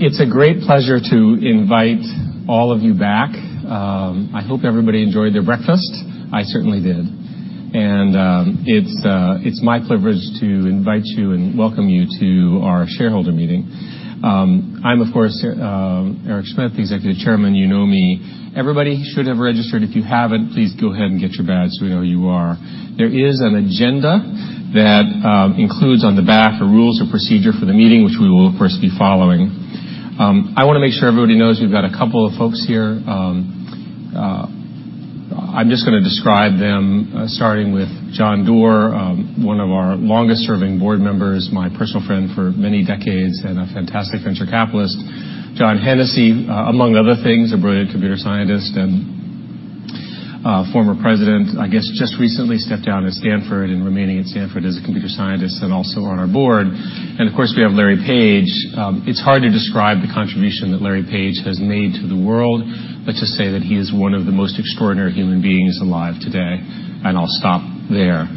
It's a great pleasure to invite all of you back. I hope everybody enjoyed their breakfast. I certainly did. And it's my privilege to invite you and welcome you to our shareholder meeting. I'm, of course, Eric Schmidt, the Executive Chairman. You know me. Everybody should have registered. If you haven't, please go ahead and get your badge so we know who you are. There is an agenda that includes on the back the rules of procedure for the meeting, which we will, of course, be following. I want to make sure everybody knows we've got a couple of folks here. I'm just going to describe them, starting with John Doerr, one of our longest-serving board members, my personal friend for many decades and a fantastic venture capitalist. John Hennessy, among other things, a brilliant computer scientist and former president. I guess just recently stepped down at Stanford and remaining at Stanford as a computer scientist and also on our board, and of course, we have Larry Page. It's hard to describe the contribution that Larry Page has made to the world, but to say that he is one of the most extraordinary human beings alive today, and I'll stop there.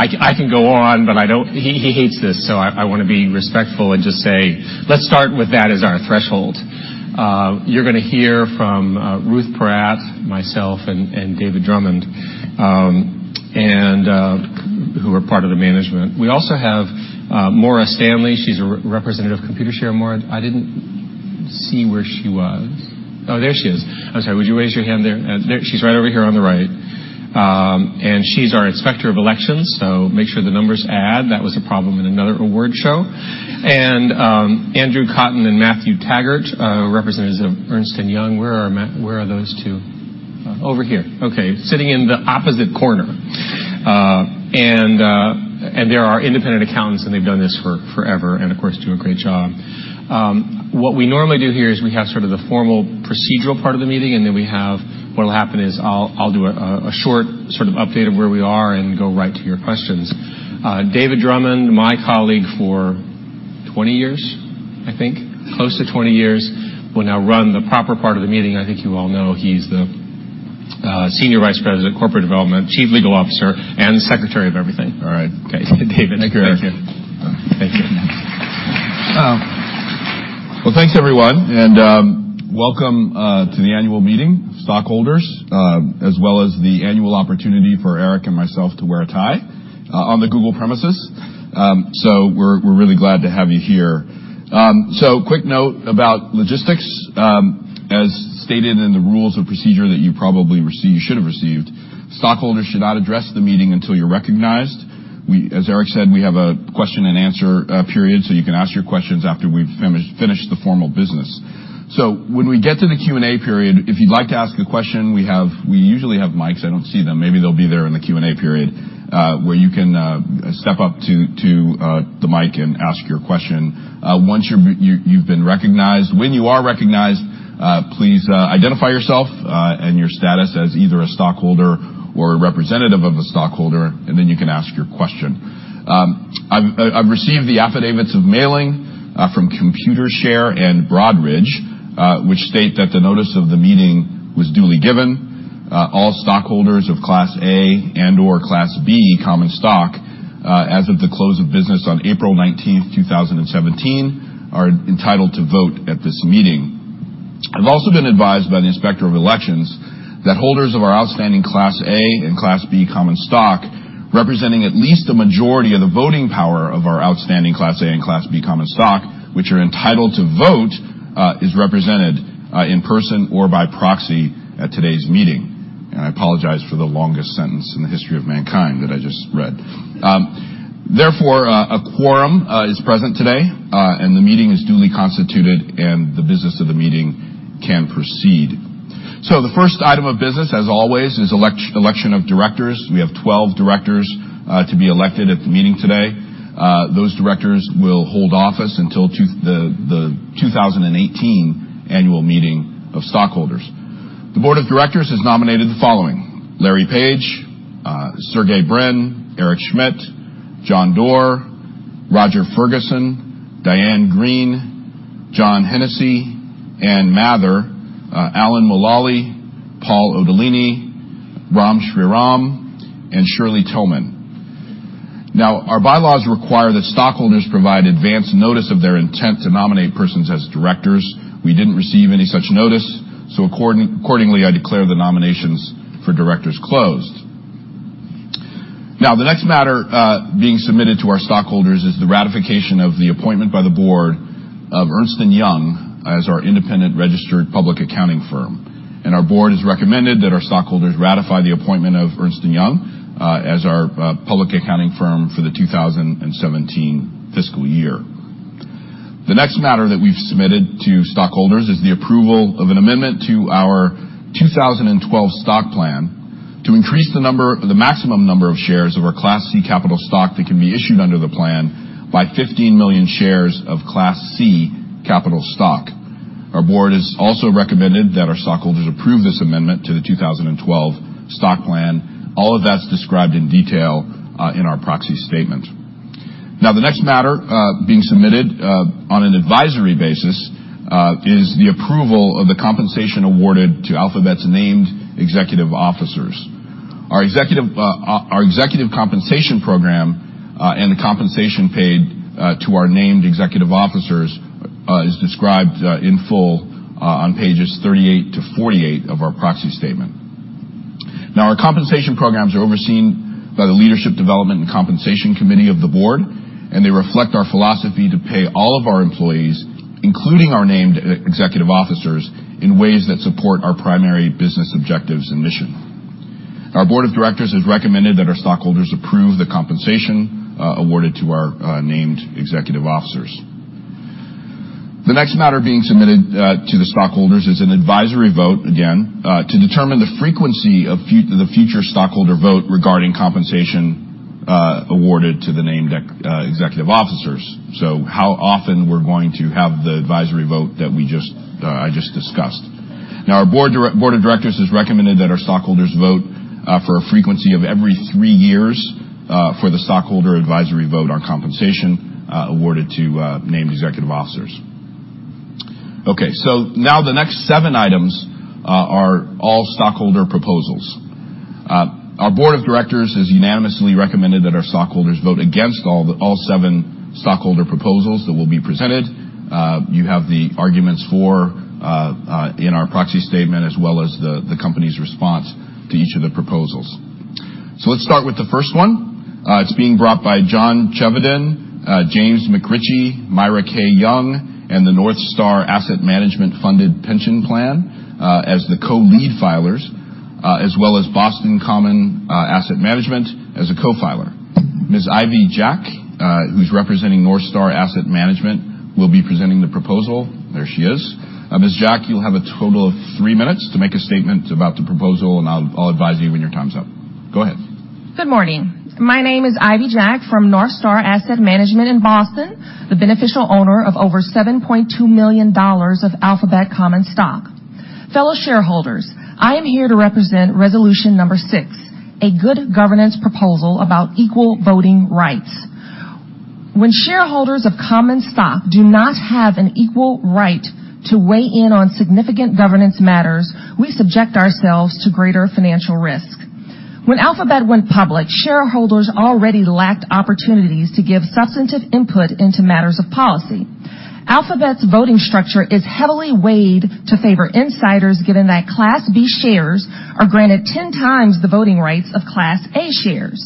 I can go on, but I don't, he hates this, so I want to be respectful and just say, let's start with that as our threshold. You're going to hear from Ruth Porat, myself, and David Drummond, who are part of the management. We also have Maura Stanley. She's a representative of Computershare. Maura, I didn't see where she was. Oh, there she is. I'm sorry. Would you raise your hand there? She's right over here on the right. And she's our inspector of elections, so make sure the numbers add. That was a problem in another award show. And Andrew Cotton and Matthew Taggart, representatives of Ernst & Young. Where are those two? Over here. Okay. Sitting in the opposite corner. And they are our independent accountants, and they've done this forever and, of course, do a great job. What we normally do here is we have sort of the formal procedural part of the meeting, and then we have—what'll happen is I'll do a short sort of update of where we are and go right to your questions. David Drummond, my colleague for 20 years, I think, close to 20 years, will now run the proper part of the meeting. I think you all know he's the Senior Vice President, Corporate Development, Chief Legal Officer, and Secretary of Everything. All right. Okay. David. Thank you, Eric. Thank you. Well, thanks, everyone and welcome to the annual meeting, stockholders, as well as the annual opportunity for Eric and myself to wear a tie on the Google premises, so we're really glad to have you here, so quick note about logistics. As stated in the rules of procedure that you probably received, you should have received, stockholders should not address the meeting until you're recognized. As Eric said, we have a question and answer period, so you can ask your questions after we've finished the formal business, so when we get to the Q&A period, if you'd like to ask a question, we usually have mics. I don't see them. Maybe they'll be there in the Q&A period where you can step up to the mic and ask your question. Once you've been recognized, when you are recognized, please identify yourself and your status as either a stockholder or a representative of a stockholder, and then you can ask your question. I've received the affidavits of mailing from Computershare and Broadridge, which state that the notice of the meeting was duly given. All stockholders of Class A and/or Class B Common Stock, as of the close of business on April 19, 2017, are entitled to vote at this meeting. I've also been advised by the Inspector of Elections that holders of our outstanding Class A and Class B Common Stock, representing at least a majority of the voting power of our outstanding Class A and Class B Common Stock, which are entitled to vote, are represented in person or by proxy at today's meeting. I apologize for the longest sentence in the history of mankind that I just read. Therefore, a quorum is present today, and the meeting is duly constituted, and the business of the meeting can proceed. The first item of business, as always, is election of directors. We have 12 directors to be elected at the meeting today. Those directors will hold office until the 2018 annual meeting of stockholders. The Board of Directors has nominated the following: Larry Page, Sergey Brin, Eric Schmidt, John Doerr, Roger Ferguson, Diane Greene, John Hennessy, Ann Mather, Alan Mulally, Paul Otellini, Ram Shriram, and Shirley Tilghman. Now, our bylaws require that stockholders provide advance notice of their intent to nominate persons as directors. We didn't receive any such notice, so accordingly, I declare the nominations for directors closed. Now, the next matter being submitted to our stockholders is the ratification of the appointment by the board of Ernst & Young as our independent registered public accounting firm. And our board has recommended that our stockholders ratify the appointment of Ernst & Young as our public accounting firm for the 2017 fiscal year. The next matter that we've submitted to stockholders is the approval of an amendment to our 2012 Stock Plan to increase the maximum number of shares of our Class C Capital Stock that can be issued under the plan by 15 million shares of Class C Capital Stock. Our board has also recommended that our stockholders approve this amendment to the 2012 Stock Plan. All of that's described in detail in our proxy statement. Now, the next matter being submitted on an advisory basis is the approval of the compensation awarded to Alphabet's named executive officers. Our executive compensation program and the compensation paid to our named executive officers is described in full on pages 38-48 of our proxy statement. Now, our compensation programs are overseen by the Leadership Development and Compensation Committee of the board, and they reflect our philosophy to pay all of our employees, including our named executive officers, in ways that support our primary business objectives and mission. Our Board of Directors has recommended that our stockholders approve the compensation awarded to our named executive officers. The next matter being submitted to the stockholders is an advisory vote, again, to determine the frequency of the future stockholder vote regarding compensation awarded to the named executive officers, so how often we're going to have the advisory vote that I just discussed. Now, our Board of Directors has recommended that our stockholders vote for a frequency of every three years for the stockholder advisory vote on compensation awarded to named executive officers. Okay. So now the next seven items are all stockholder proposals. Our Board of Directors has unanimously recommended that our stockholders vote against all seven stockholder proposals that will be presented. You have the arguments for in our proxy statement as well as the company's response to each of the proposals. So let's start with the first one. It's being brought by John Chevedden, James McRitchie, Myra K. Young, and the NorthStar Asset Management Funded Pension Plan as the co-lead filers, as well as Boston Common Asset Management as a co-filer. Ms. Ivy Jack, who's representing NorthStar Asset Management, will be presenting the proposal. There she is. Ms. Jack, you'll have a total of three minutes to make a statement about the proposal, and I'll advise you when your time's up. Go ahead. Good morning. My name is Ivy Jack from NorthStar Asset Management in Boston, the beneficial owner of over $7.2 million of Alphabet Common Stock. Fellow shareholders, I am here to represent Resolution Number Six, a good governance proposal about equal voting rights. When shareholders of common stock do not have an equal right to weigh in on significant governance matters, we subject ourselves to greater financial risk. When Alphabet went public, shareholders already lacked opportunities to give substantive input into matters of policy. Alphabet's voting structure is heavily weighed to favor insiders, given that Class B shares are granted 10 times the voting rights of Class A shares.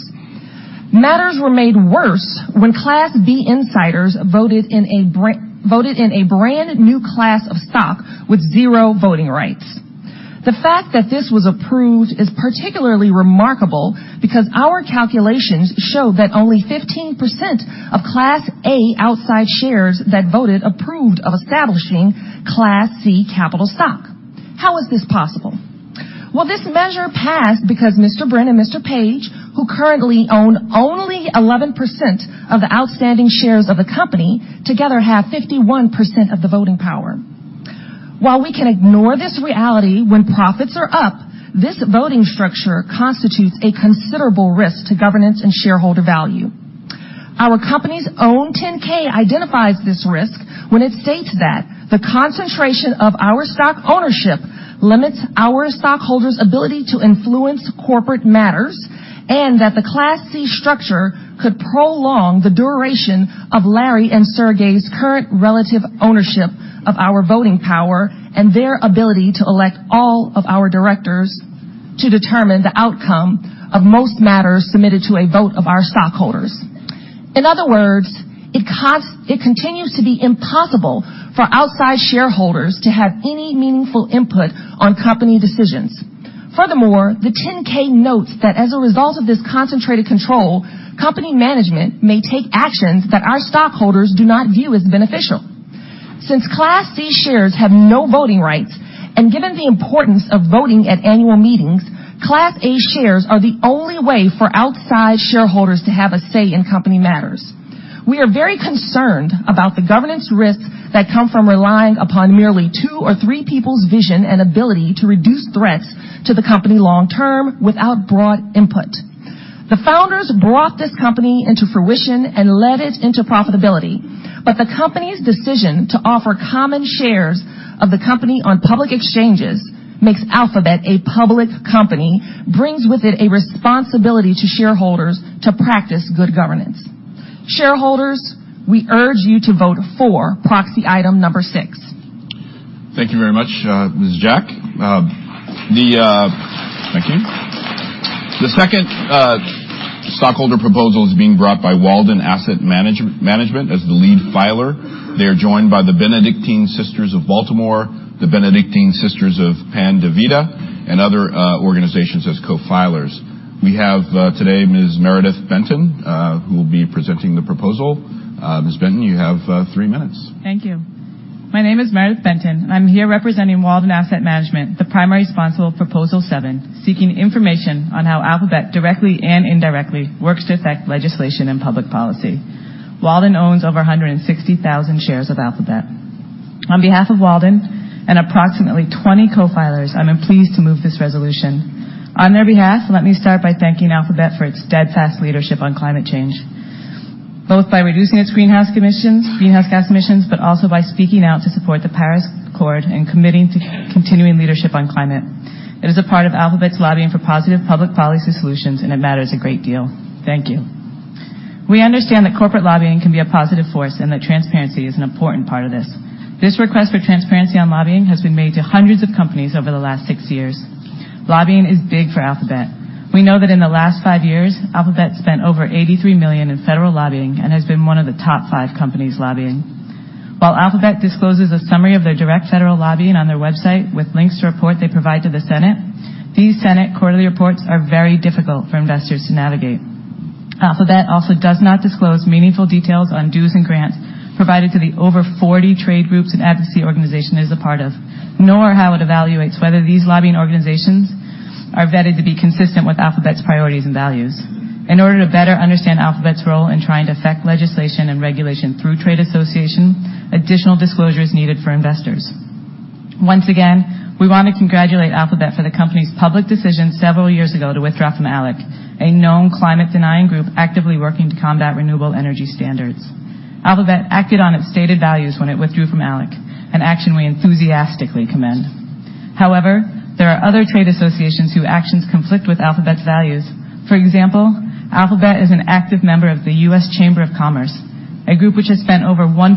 Matters were made worse when Class B insiders voted in a brand new class of stock with zero voting rights. The fact that this was approved is particularly remarkable because our calculations show that only 15% of Class A outside shares that voted approved of establishing Class C Capital Stock. How is this possible? Well, this measure passed because Mr. Brin and Mr. Page, who currently own only 11% of the outstanding shares of the company, together have 51% of the voting power. While we can ignore this reality when profits are up, this voting structure constitutes a considerable risk to governance and shareholder value. Our company's own 10-K identifies this risk when it states that the concentration of our stock ownership limits our stockholders' ability to influence corporate matters and that the Class C structure could prolong the duration of Larry and Sergey's current relative ownership of our voting power and their ability to elect all of our directors to determine the outcome of most matters submitted to a vote of our stockholders. In other words, it continues to be impossible for outside shareholders to have any meaningful input on company decisions. Furthermore, the 10-K notes that as a result of this concentrated control, company management may take actions that our stockholders do not view as beneficial. Since Class C shares have no voting rights and given the importance of voting at annual meetings, Class A shares are the only way for outside shareholders to have a say in company matters. We are very concerned about the governance risks that come from relying upon merely two or three people's vision and ability to reduce threats to the company long-term without broad input. The founders brought this company into fruition and led it into profitability, but the company's decision to offer common shares of the company on public exchanges makes Alphabet a public company, brings with it a responsibility to shareholders to practice good governance. Shareholders, we urge you to vote for proxy item number six. Thank you very much, Ms. Jack. The second stockholder proposal is being brought by Walden Asset Management as the lead filer. They are joined by the Benedictine Sisters of Baltimore, the Benedictine Sisters of Pan de Vida, and other organizations as co-filers. We have today Ms. Meredith Benton, who will be presenting the proposal. Ms. Benton, you have three minutes. Thank you. My name is Meredith Benton. I'm here representing Walden Asset Management, the primary sponsor of Proposal 7, seeking information on how Alphabet directly and indirectly works to affect legislation and public policy. Walden owns over 160,000 shares of Alphabet. On behalf of Walden and approximately 20 co-filers, I'm pleased to move this resolution. On their behalf, let me start by thanking Alphabet for its steadfast leadership on climate change, both by reducing its greenhouse gas emissions, but also by speaking out to support the Paris Accord and committing to continuing leadership on climate. It is a part of Alphabet's lobbying for positive public policy solutions, and it matters a great deal. Thank you. We understand that corporate lobbying can be a positive force and that transparency is an important part of this. This request for transparency on lobbying has been made to hundreds of companies over the last six years. Lobbying is big for Alphabet. We know that in the last five years, Alphabet spent over $83 million in federal lobbying and has been one of the top five companies lobbying. While Alphabet discloses a summary of their direct federal lobbying on their website with links to reports they provide to the Senate, these Senate quarterly reports are very difficult for investors to navigate. Alphabet also does not disclose meaningful details on dues and grants provided to the over 40 trade groups and advocacy organizations it is a part of, nor how it evaluates whether these lobbying organizations are vetted to be consistent with Alphabet's priorities and values. In order to better understand Alphabet's role in trying to affect legislation and regulation through trade association, additional disclosure is needed for investors. Once again, we want to congratulate Alphabet for the company's public decision several years ago to withdraw from ALEC, a known climate-denying group actively working to combat renewable energy standards. Alphabet acted on its stated values when it withdrew from ALEC, an action we enthusiastically commend. However, there are other trade associations whose actions conflict with Alphabet's values. For example, Alphabet is an active member of the U.S. Chamber of Commerce, a group which has spent over $1.2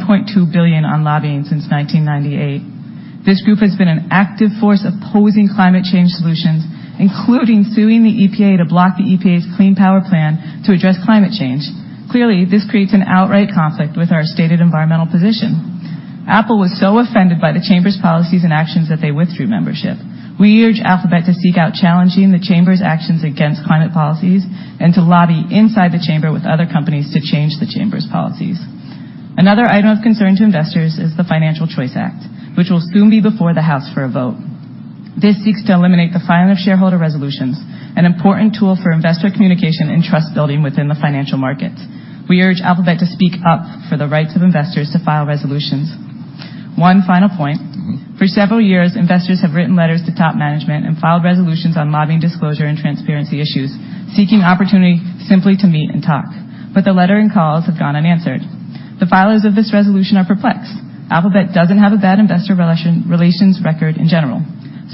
billion on lobbying since 1998. This group has been an active force opposing climate change solutions, including suing the EPA to block the EPA's Clean Power Plan to address climate change. Clearly, this creates an outright conflict with our stated environmental position. Apple was so offended by the chamber's policies and actions that they withdrew membership. We urge Alphabet to seek out challenging the chamber's actions against climate policies and to lobby inside the chamber with other companies to change the chamber's policies. Another item of concern to investors is the Financial CHOICE Act, which will soon be before the House for a vote. This seeks to eliminate the filing of shareholder resolutions, an important tool for investor communication and trust-building within the financial markets. We urge Alphabet to speak up for the rights of investors to file resolutions. One final point. For several years, investors have written letters to top management and filed resolutions on lobbying disclosure and transparency issues, seeking opportunity simply to meet and talk. But the letter and calls have gone unanswered. The filers of this resolution are perplexed. Alphabet doesn't have a bad investor relations record in general.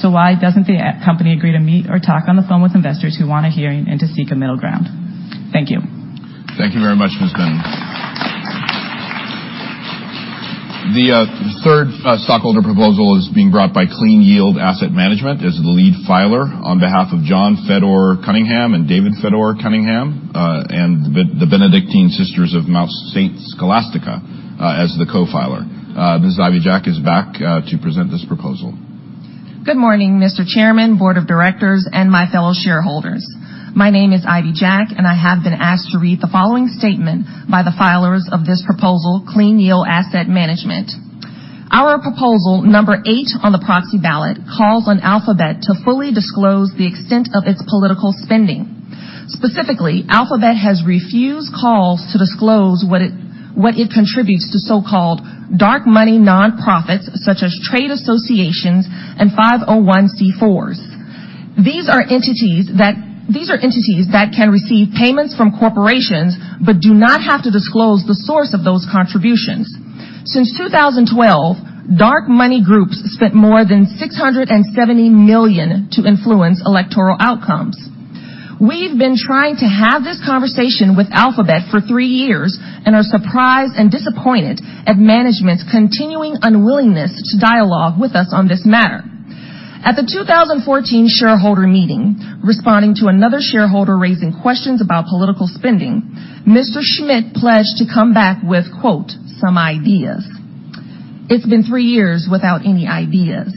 So why doesn't the company agree to meet or talk on the phone with investors who want a hearing and to seek a middle ground? Thank you. Thank you very much, Ms. Benton. The third stockholder proposal is being brought by Clean Yield Asset Management as the lead filer on behalf of John Fedor-Cunningham and David Fedor-Cunningham and the Benedictine Sisters of Mount St. Scholastica as the co-filer. Ms. Ivy Jack is back to present this proposal. Good morning, Mr. Chairman, Board of Directors, and my fellow shareholders. My name is Ivy Jack, and I have been asked to read the following statement by the filers of this proposal, Clean Yield Asset Management. Our proposal, number eight on the proxy ballot, calls on Alphabet to fully disclose the extent of its political spending. Specifically, Alphabet has refused calls to disclose what it contributes to so-called dark money nonprofits such as trade associations and 501(c)(4)s. These are entities that can receive payments from corporations but do not have to disclose the source of those contributions. Since 2012, dark money groups spent more than $670 million to influence electoral outcomes. We've been trying to have this conversation with Alphabet for three years and are surprised and disappointed at management's continuing unwillingness to dialogue with us on this matter. At the 2014 shareholder meeting, responding to another shareholder raising questions about political spending, Mr. Schmidt pledged to come back with, quote, "some ideas." It's been three years without any ideas.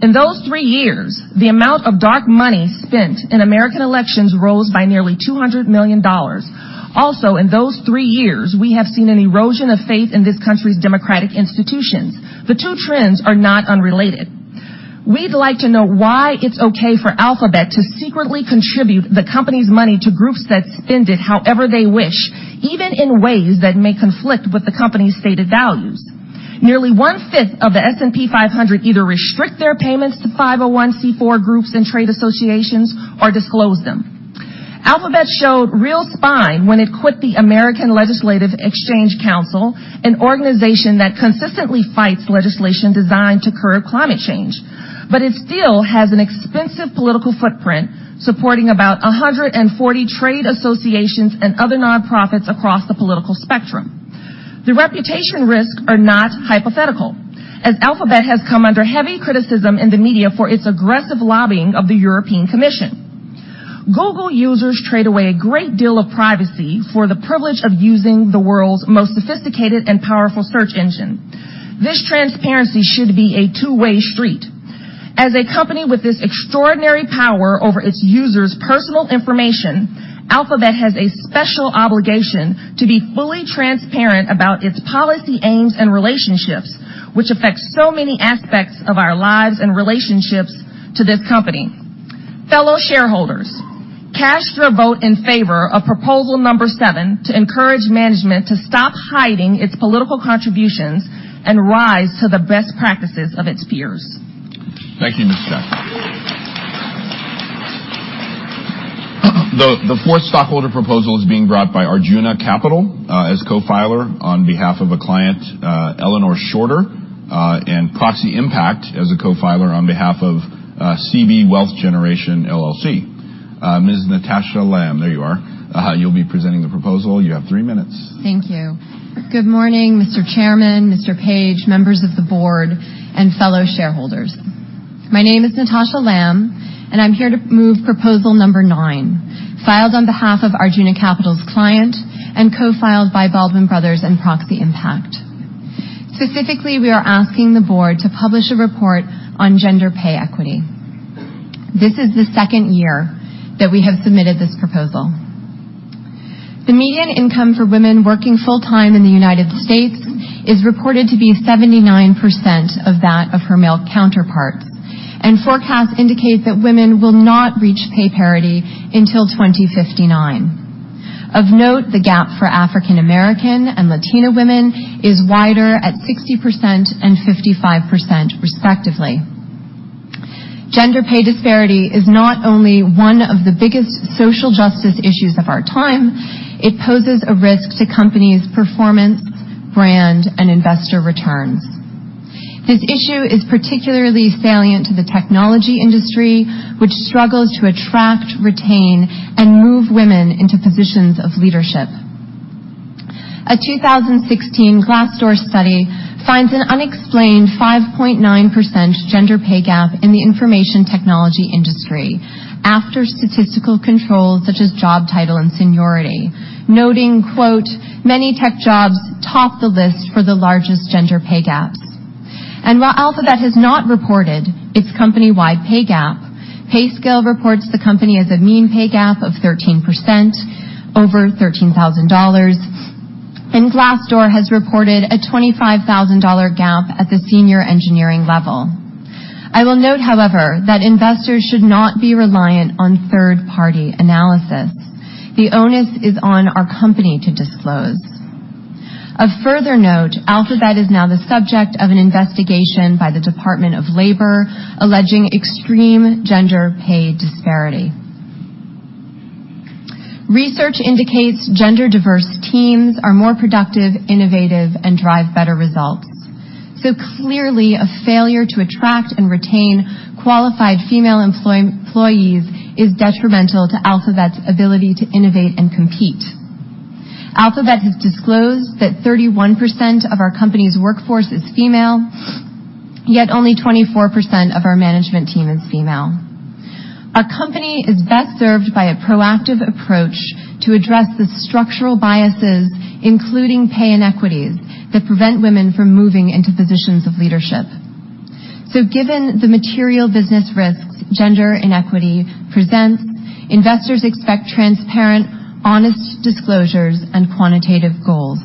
In those three years, the amount of dark money spent in American elections rose by nearly $200 million. Also, in those three years, we have seen an erosion of faith in this country's democratic institutions. The two trends are not unrelated. We'd like to know why it's okay for Alphabet to secretly contribute the company's money to groups that spend it however they wish, even in ways that may conflict with the company's stated values. Nearly one-fifth of the S&P 500 either restrict their payments to 501(c)(4) groups and trade associations or disclose them. Alphabet showed real spine when it quit the American Legislative Exchange Council, an organization that consistently fights legislation designed to curb climate change, but it still has an expensive political footprint supporting about 140 trade associations and other nonprofits across the political spectrum. The reputation risks are not hypothetical, as Alphabet has come under heavy criticism in the media for its aggressive lobbying of the European Commission. Google users trade away a great deal of privacy for the privilege of using the world's most sophisticated and powerful search engine. This transparency should be a two-way street. As a company with this extraordinary power over its users' personal information, Alphabet has a special obligation to be fully transparent about its policy aims and relationships, which affect so many aspects of our lives and relationships to this company. Fellow shareholders, cast your vote in favor of proposal number seven to encourage management to stop hiding its political contributions and rise to the best practices of its peers. Thank you, Ms. Jack. The fourth stockholder proposal is being brought by Arjuna Capital as co-filer on behalf of a client, Eleanor Shartel, and Proxy Impact as a co-filer on behalf of CB Wealth Generation LLC. Ms. Natasha Lamb, there you are. You'll be presenting the proposal. You have three minutes. Thank you. Good morning, Mr. Chairman, Mr. Page, members of the board, and fellow shareholders. My name is Natasha Lamb, and I'm here to move proposal number nine, filed on behalf of Arjuna Capital's client and co-filed by Baldwin Brothers and Proxy Impact. Specifically, we are asking the board to publish a report on gender pay equity. This is the second year that we have submitted this proposal. The median income for women working full-time in the United States is reported to be 79% of that of her male counterparts, and forecasts indicate that women will not reach pay parity until 2059. Of note, the gap for African-American and Latino women is wider at 60% and 55%, respectively. Gender pay disparity is not only one of the biggest social justice issues of our time, it poses a risk to companies' performance, brand, and investor returns. This issue is particularly salient to the technology industry, which struggles to attract, retain, and move women into positions of leadership. A 2016 Glassdoor study finds an unexplained 5.9% gender pay gap in the information technology industry after statistical controls such as job title and seniority, noting, quote, "Many tech jobs top the list for the largest gender pay gaps." While Alphabet has not reported its company-wide pay gap, PayScale reports the company has a mean pay gap of 13%, over $13,000, and Glassdoor has reported a $25,000 gap at the senior engineering level. I will note, however, that investors should not be reliant on third-party analysis. The onus is on our company to disclose. Of further note, Alphabet is now the subject of an investigation by the Department of Labor alleging extreme gender pay disparity. Research indicates gender-diverse teams are more productive, innovative, and drive better results. So clearly, a failure to attract and retain qualified female employees is detrimental to Alphabet's ability to innovate and compete. Alphabet has disclosed that 31% of our company's workforce is female, yet only 24% of our management team is female. Our company is best served by a proactive approach to address the structural biases, including pay inequities, that prevent women from moving into positions of leadership. So given the material business risks gender inequity presents, investors expect transparent, honest disclosures and quantitative goals.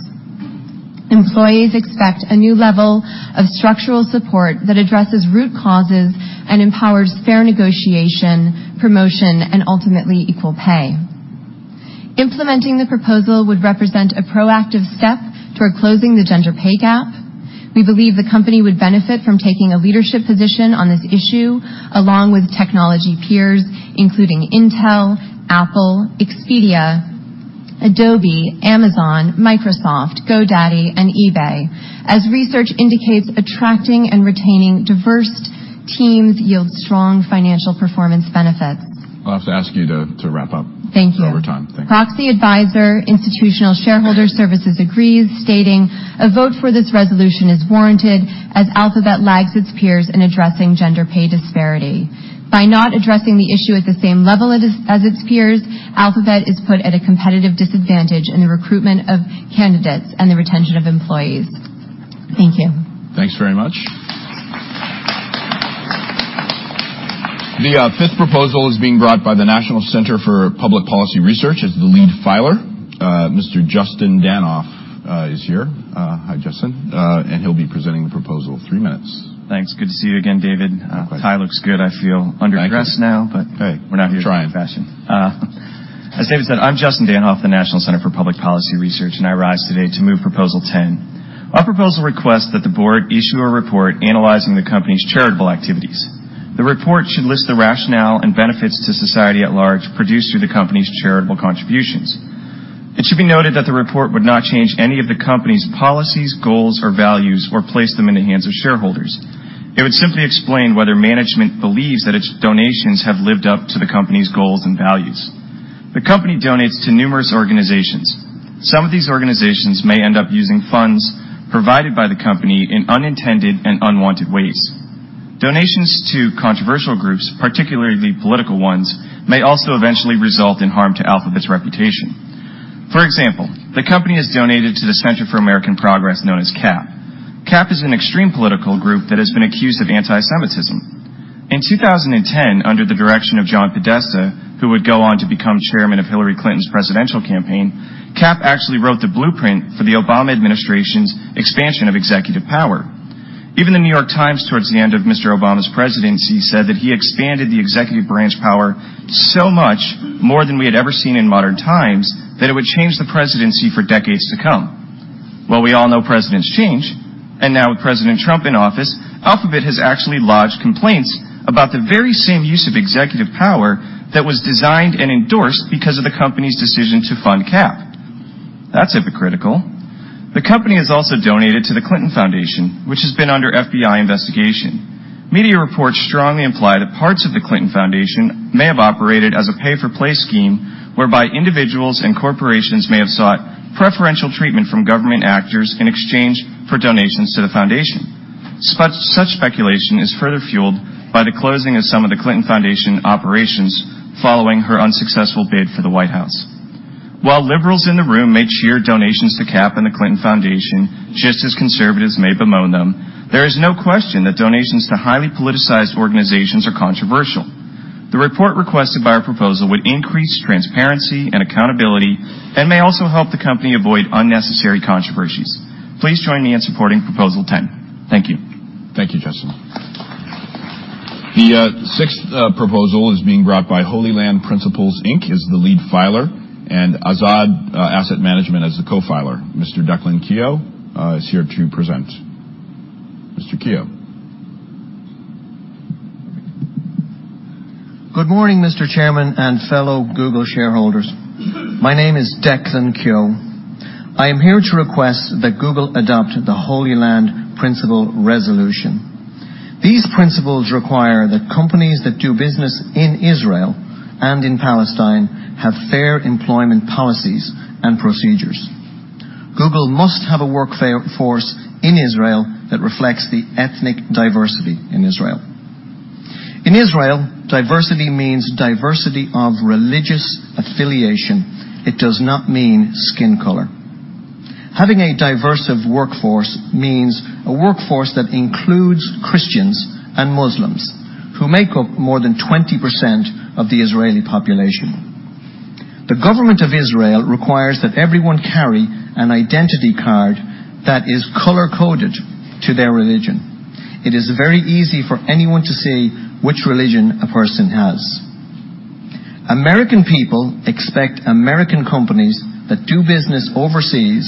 Employees expect a new level of structural support that addresses root causes and empowers fair negotiation, promotion, and ultimately equal pay. Implementing the proposal would represent a proactive step toward closing the gender pay gap. We believe the company would benefit from taking a leadership position on this issue along with technology peers, including Intel, Apple, Expedia, Adobe, Amazon, Microsoft, GoDaddy, and eBay, as research indicates attracting and retaining diverse teams yields strong financial performance benefits. I'll have to ask you to wrap up. Thank you. Over time. Thank you. Proxy Advisor, Institutional Shareholder Services, agrees, stating, "A vote for this resolution is warranted as Alphabet lags its peers in addressing gender pay disparity. By not addressing the issue at the same level as its peers, Alphabet is put at a competitive disadvantage in the recruitment of candidates and the retention of employees." Thank you. Thanks very much. The fifth proposal is being brought by the National Center for Public Policy Research as the lead filer. Mr. Justin Danhof is here. Hi, Justin, and he'll be presenting the proposal in three minutes. Thanks. Good to see you again, David. Likewise. The tie looks good. I feel under duress now, but. Hey, we're not here to. Trying. As David said, I'm Justin Danhof, the National Center for Public Policy Research, and I rise today to move proposal 10. Our proposal requests that the board issue a report analyzing the company's charitable activities. The report should list the rationale and benefits to society at large produced through the company's charitable contributions. It should be noted that the report would not change any of the company's policies, goals, or values, or place them in the hands of shareholders. It would simply explain whether management believes that its donations have lived up to the company's goals and values. The company donates to numerous organizations. Some of these organizations may end up using funds provided by the company in unintended and unwanted ways. Donations to controversial groups, particularly political ones, may also eventually result in harm to Alphabet's reputation. For example, the company has donated to the Center for American Progress, known as CAP. CAP is an extreme political group that has been accused of anti-Semitism. In 2010, under the direction of John Podesta, who would go on to become chairman of Hillary Clinton's presidential campaign, CAP actually wrote the blueprint for the Obama administration's expansion of executive power. Even The New York Times, towards the end of Mr. Obama's presidency, said that he expanded the executive branch power so much more than we had ever seen in modern times that it would change the presidency for decades to come. Well, we all know presidents change. And now with President Trump in office, Alphabet has actually lodged complaints about the very same use of executive power that was designed and endorsed because of the company's decision to fund CAP. That's hypocritical. The company has also donated to the Clinton Foundation, which has been under FBI investigation. Media reports strongly imply that parts of the Clinton Foundation may have operated as a pay-for-play scheme whereby individuals and corporations may have sought preferential treatment from government actors in exchange for donations to the foundation. Such speculation is further fueled by the closing of some of the Clinton Foundation operations following her unsuccessful bid for the White House. While liberals in the room may cheer donations to CAP and the Clinton Foundation, just as conservatives may bemoan them, there is no question that donations to highly politicized organizations are controversial. The report requested by our proposal would increase transparency and accountability and may also help the company avoid unnecessary controversies. Please join me in supporting proposal 10. Thank you. Thank you, Justin. The sixth proposal is being brought by Holy Land Principles, Inc. as the lead filer, and Azzad Asset Management as the co-filer. Mr. Declan Keogh is here to present. Mr. Keogh. Good morning, Mr. Chairman, and fellow Google shareholders. My name is Declan Keogh. I am here to request that Google adopt the Holy Land Principles Resolution. These principles require that companies that do business in Israel and in Palestine have fair employment policies and procedures. Google must have a workforce in Israel that reflects the ethnic diversity in Israel. In Israel, diversity means diversity of religious affiliation. It does not mean skin color. Having a diverse workforce means a workforce that includes Christians and Muslims, who make up more than 20% of the Israeli population. The government of Israel requires that everyone carry an identity card that is color-coded to their religion. It is very easy for anyone to see which religion a person has. American people expect American companies that do business overseas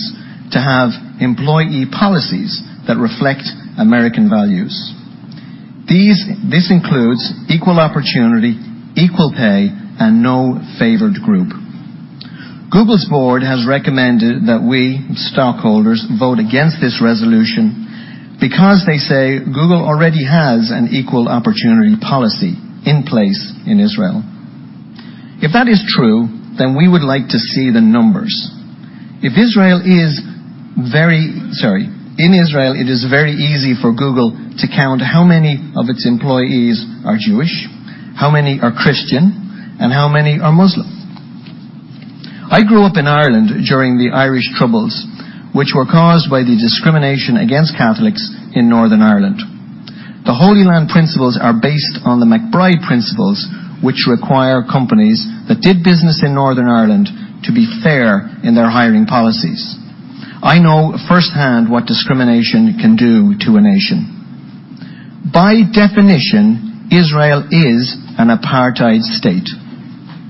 to have employee policies that reflect American values. This includes equal opportunity, equal pay, and no favored group. Google's board has recommended that we, stockholders, vote against this resolution because they say Google already has an equal opportunity policy in place in Israel. If that is true, then we would like to see the numbers. In Israel, it is very easy for Google to count how many of its employees are Jewish, how many are Christian, and how many are Muslim. I grew up in Ireland during the Irish Troubles, which were caused by the discrimination against Catholics in Northern Ireland. The Holy Land Principles are based on the MacBride Principles, which require companies that did business in Northern Ireland to be fair in their hiring policies. I know firsthand what discrimination can do to a nation. By definition, Israel is an apartheid state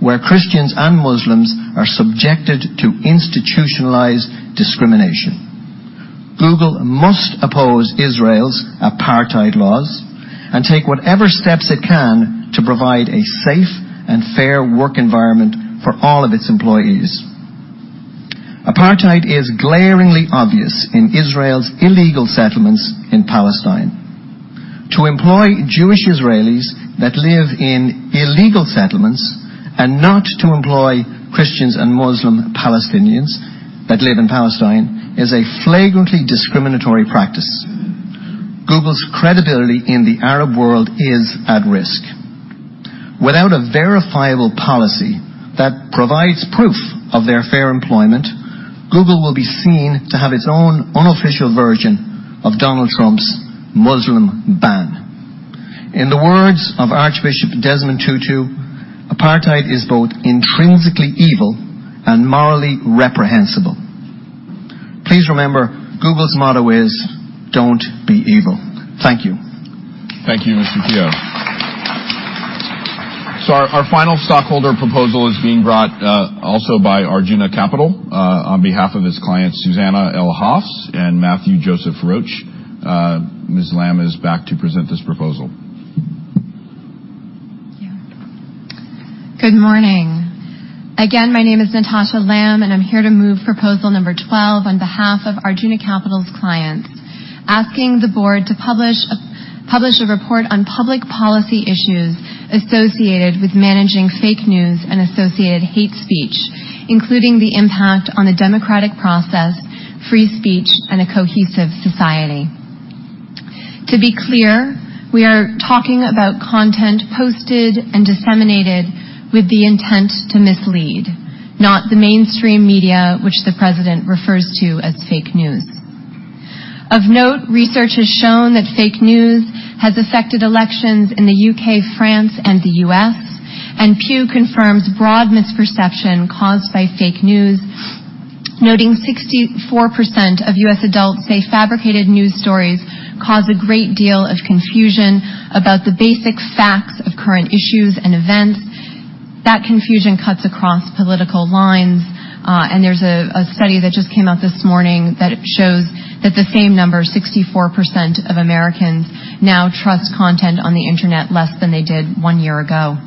where Christians and Muslims are subjected to institutionalized discrimination. Google must oppose Israel's apartheid laws and take whatever steps it can to provide a safe and fair work environment for all of its employees. Apartheid is glaringly obvious in Israel's illegal settlements in Palestine. To employ Jewish Israelis that live in illegal settlements and not to employ Christians and Muslim Palestinians that live in Palestine is a flagrantly discriminatory practice. Google's credibility in the Arab world is at risk. Without a verifiable policy that provides proof of their fair employment, Google will be seen to have its own unofficial version of Donald Trump's Muslim ban. In the words of Archbishop Desmond Tutu, "Apartheid is both intrinsically evil and morally reprehensible." Please remember, Google's motto is, "Don't be evil." Thank you. Thank you, Mr. Keogh. So our final stockholder proposal is being brought also by Arjuna Capital on behalf of its clients, Susanna Ehlers and Matthew Joseph Roach. Ms. Lamb is back to present this proposal. Good morning. Again, my name is Natasha Lamb, and I'm here to move proposal number 12 on behalf of Arjuna Capital's clients, asking the board to publish a report on public policy issues associated with managing fake news and associated hate speech, including the impact on the democratic process, free speech, and a cohesive society. To be clear, we are talking about content posted and disseminated with the intent to mislead, not the mainstream media, which the president refers to as fake news. Of note, research has shown that fake news has affected elections in the U.K., France, and the U.S., and Pew confirms broad misperception caused by fake news, noting 64% of U.S. adults say fabricated news stories cause a great deal of confusion about the basic facts of current issues and events. That confusion cuts across political lines, and there's a study that just came out this morning that shows that the same number, 64% of Americans, now trust content on the internet less than they did one year ago.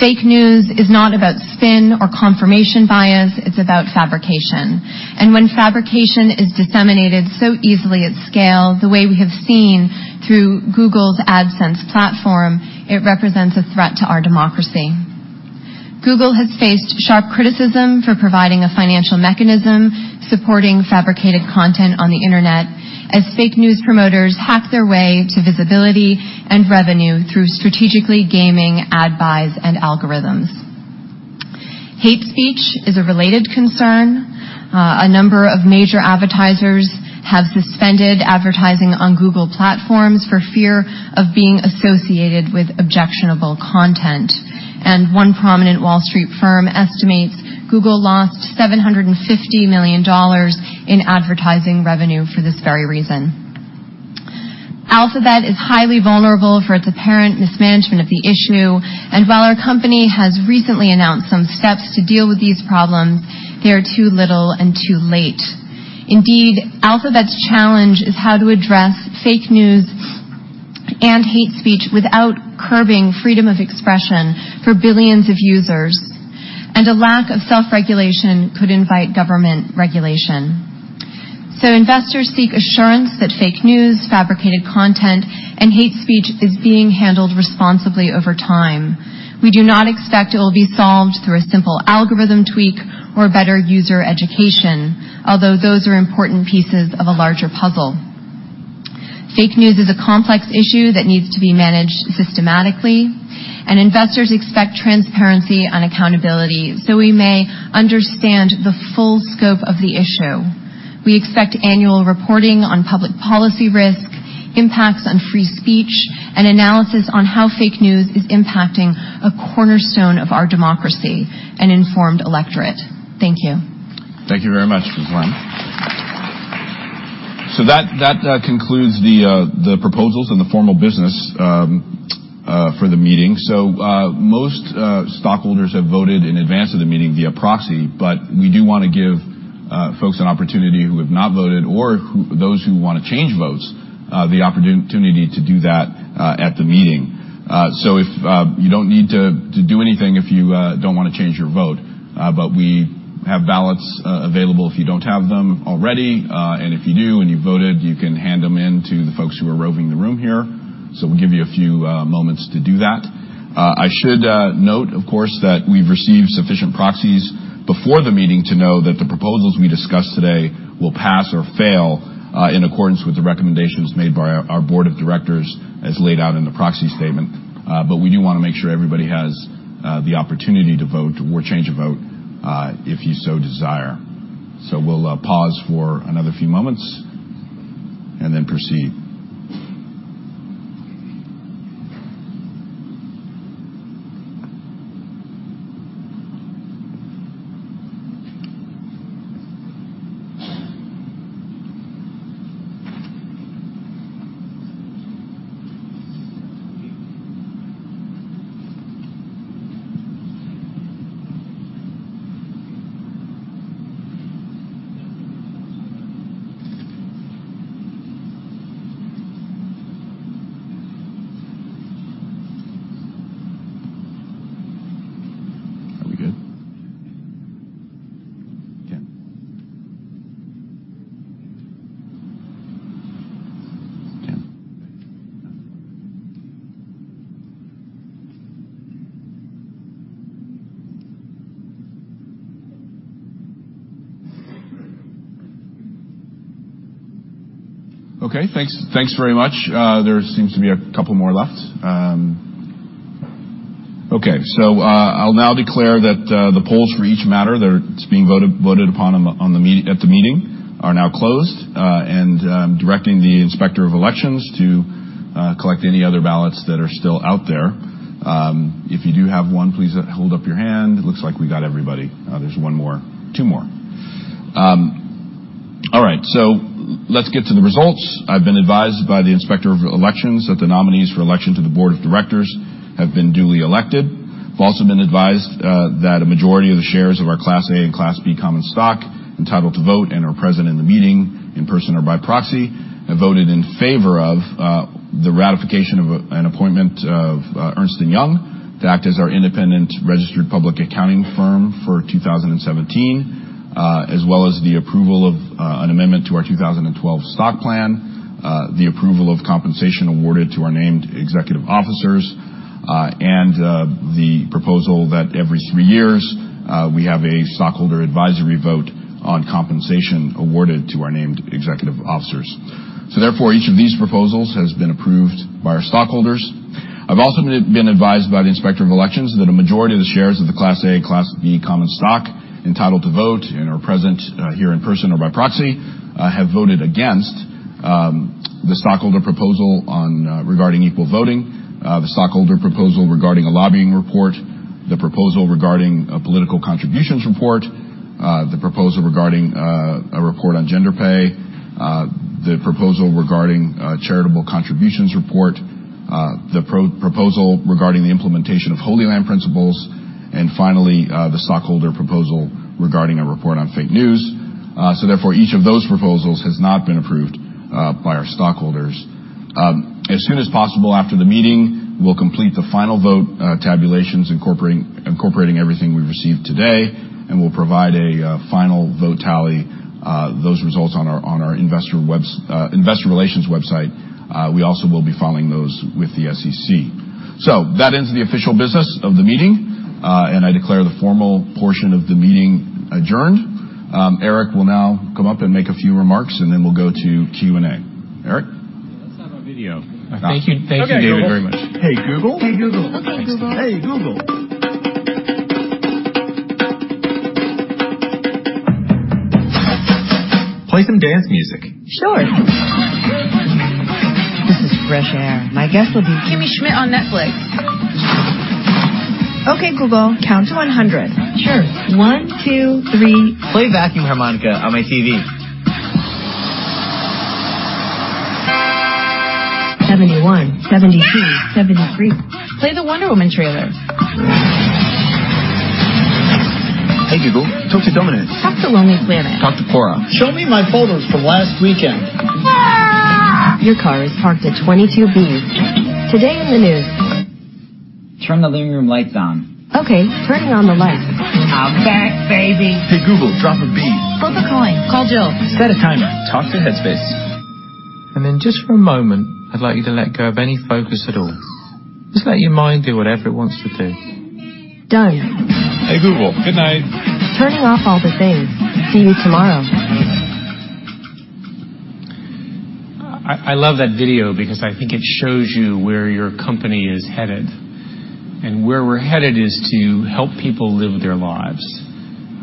Fake news is not about spin or confirmation bias. It's about fabrication, and when fabrication is disseminated so easily at scale, the way we have seen through Google's AdSense platform, it represents a threat to our democracy. Google has faced sharp criticism for providing a financial mechanism supporting fabricated content on the internet as fake news promoters hack their way to visibility and revenue through strategically gaming ad buys and algorithms. Hate speech is a related concern. A number of major advertisers have suspended advertising on Google platforms for fear of being associated with objectionable content. One prominent Wall Street firm estimates Google lost $750 million in advertising revenue for this very reason. Alphabet is highly vulnerable for its apparent mismanagement of the issue. While our company has recently announced some steps to deal with these problems, they are too little and too late. Indeed, Alphabet's challenge is how to address fake news and hate speech without curbing freedom of expression for billions of users. A lack of self-regulation could invite government regulation. Investors seek assurance that fake news, fabricated content, and hate speech is being handled responsibly over time. We do not expect it will be solved through a simple algorithm tweak or better user education, although those are important pieces of a larger puzzle. Fake news is a complex issue that needs to be managed systematically, and investors expect transparency and accountability so we may understand the full scope of the issue. We expect annual reporting on public policy risk, impacts on free speech, and analysis on how fake news is impacting a cornerstone of our democracy and informed electorate. Thank you. Thank you very much, Ms. Lamb. So that concludes the proposals and the formal business for the meeting. So most stockholders have voted in advance of the meeting via proxy, but we do want to give folks an opportunity who have not voted or those who want to change votes the opportunity to do that at the meeting. So you don't need to do anything if you don't want to change your vote, but we have ballots available if you don't have them already. And if you do and you voted, you can hand them in to the folks who are roving the room here. So we'll give you a few moments to do that. I should note, of course, that we've received sufficient proxies before the meeting to know that the proposals we discuss today will pass or fail in accordance with the recommendations made by our board of directors as laid out in the proxy statement. But we do want to make sure everybody has the opportunity to vote or change a vote if you so desire. So we'll pause for another few moments and then proceed. Are we good? 10. 10. Okay. Thanks very much. There seems to be a couple more left. Okay. So I'll now declare that the polls for each matter that's being voted upon at the meeting are now closed. And I'm directing the inspector of elections to collect any other ballots that are still out there. If you do have one, please hold up your hand. It looks like we got everybody. There's one more. Two more. All right. So let's get to the results. I've been advised by the inspector of elections that the nominees for election to the board of directors have been duly elected. I've also been advised that a majority of the shares of our Class A and Class B common stock entitled to vote and are present in the meeting in person or by proxy have voted in favor of the ratification of an appointment of Ernst & Young to act as our independent registered public accounting firm for 2017, as well as the approval of an amendment to our 2012 Stock Plan, the approval of compensation awarded to our named executive officers, and the proposal that every three years we have a stockholder advisory vote on compensation awarded to our named executive officers. So therefore, each of these proposals has been approved by our stockholders. I've also been advised by the inspector of elections that a majority of the shares of the Class A and Class B Common Stock entitled to vote and are present here in person or by proxy have voted against the stockholder proposal regarding equal voting, the stockholder proposal regarding a lobbying report, the proposal regarding a political contributions report, the proposal regarding a report on gender pay, the proposal regarding a charitable contributions report, the proposal regarding the implementation of Holy Land Principles, and finally, the stockholder proposal regarding a report on fake news. So therefore, each of those proposals has not been approved by our stockholders. As soon as possible after the meeting, we'll complete the final vote tabulations incorporating everything we've received today, and we'll provide a final vote tally of those results on our investor relations website. We also will be filing those with the SEC. So that ends the official business of the meeting, and I declare the formal portion of the meeting adjourned. Eric will now come up and make a few remarks, and then we'll go to Q&A. Eric? Let's have a video. Thank you, David, very much. Hey, Google? Hey, Google. Hey, Google. Hey, Google. Play some dance music. Sure. This is Fresh Air. My guest will be. Kimmy Schmidt on Netflix. Okay, Google. Count to 100. Sure. One, two, three. Play Vacuum Harmonica on my TV. 71, 72, 73. Play the Wonder Woman trailer. Hey, Google. Talk to Domino's. Talk to Lonely Planet. Talk to Quora. Show me my photos from last weekend. Your car is parked at 22B. Today in the news. Turn the living room lights on. Okay. Turning on the lights. I'm back, baby. Hey, Google. Drop a beat. Both are calling. Call Jill. Set a timer. Talk to Headspace. Then just for a moment, I'd like you to let go of any focus at all. Just let your mind do whatever it wants to do. Done. Hey, Google. Good night. Turning off all the things. See you tomorrow. I love that video because I think it shows you where your company is headed. And where we're headed is to help people live their lives.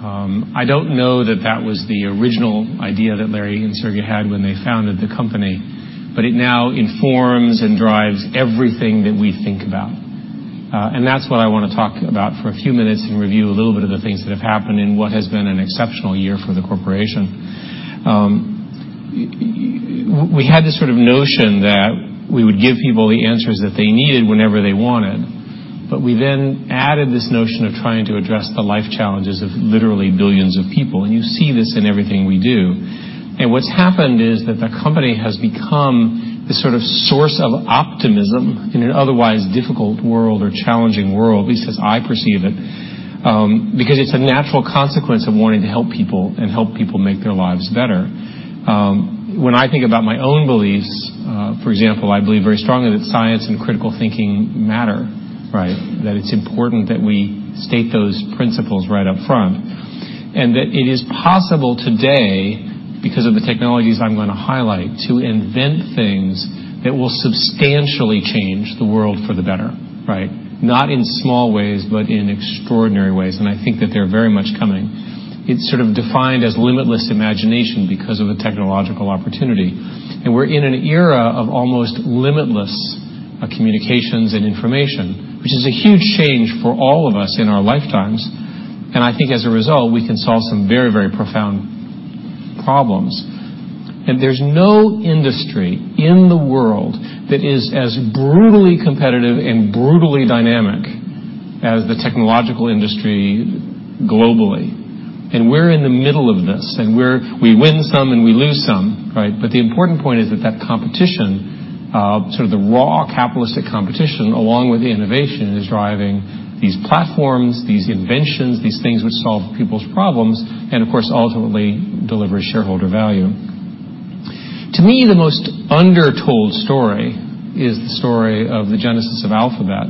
I don't know that that was the original idea that Larry and Sergey had when they founded the company, but it now informs and drives everything that we think about. And that's what I want to talk about for a few minutes and review a little bit of the things that have happened in what has been an exceptional year for the corporation. We had this sort of notion that we would give people the answers that they needed whenever they wanted, but we then added this notion of trying to address the life challenges of literally billions of people. And you see this in everything we do. And what's happened is that the company has become this sort of source of optimism in an otherwise difficult world or challenging world, at least as I perceive it, because it's a natural consequence of wanting to help people and help people make their lives better. When I think about my own beliefs, for example, I believe very strongly that science and critical thinking matter, right? That it's important that we state those principles right up front. And that it is possible today, because of the technologies I'm going to highlight, to invent things that will substantially change the world for the better, right? Not in small ways, but in extraordinary ways. And I think that they're very much coming. It's sort of defined as limitless imagination because of a technological opportunity. We're in an era of almost limitless communications and information, which is a huge change for all of us in our lifetimes. I think as a result, we can solve some very, very profound problems. There's no industry in the world that is as brutally competitive and brutally dynamic as the technological industry globally. We're in the middle of this. We win some and we lose some, right? The important point is that that competition, sort of the raw capitalistic competition along with the innovation, is driving these platforms, these inventions, these things which solve people's problems, and of course, ultimately deliver shareholder value. To me, the most undertold story is the story of the genesis of Alphabet.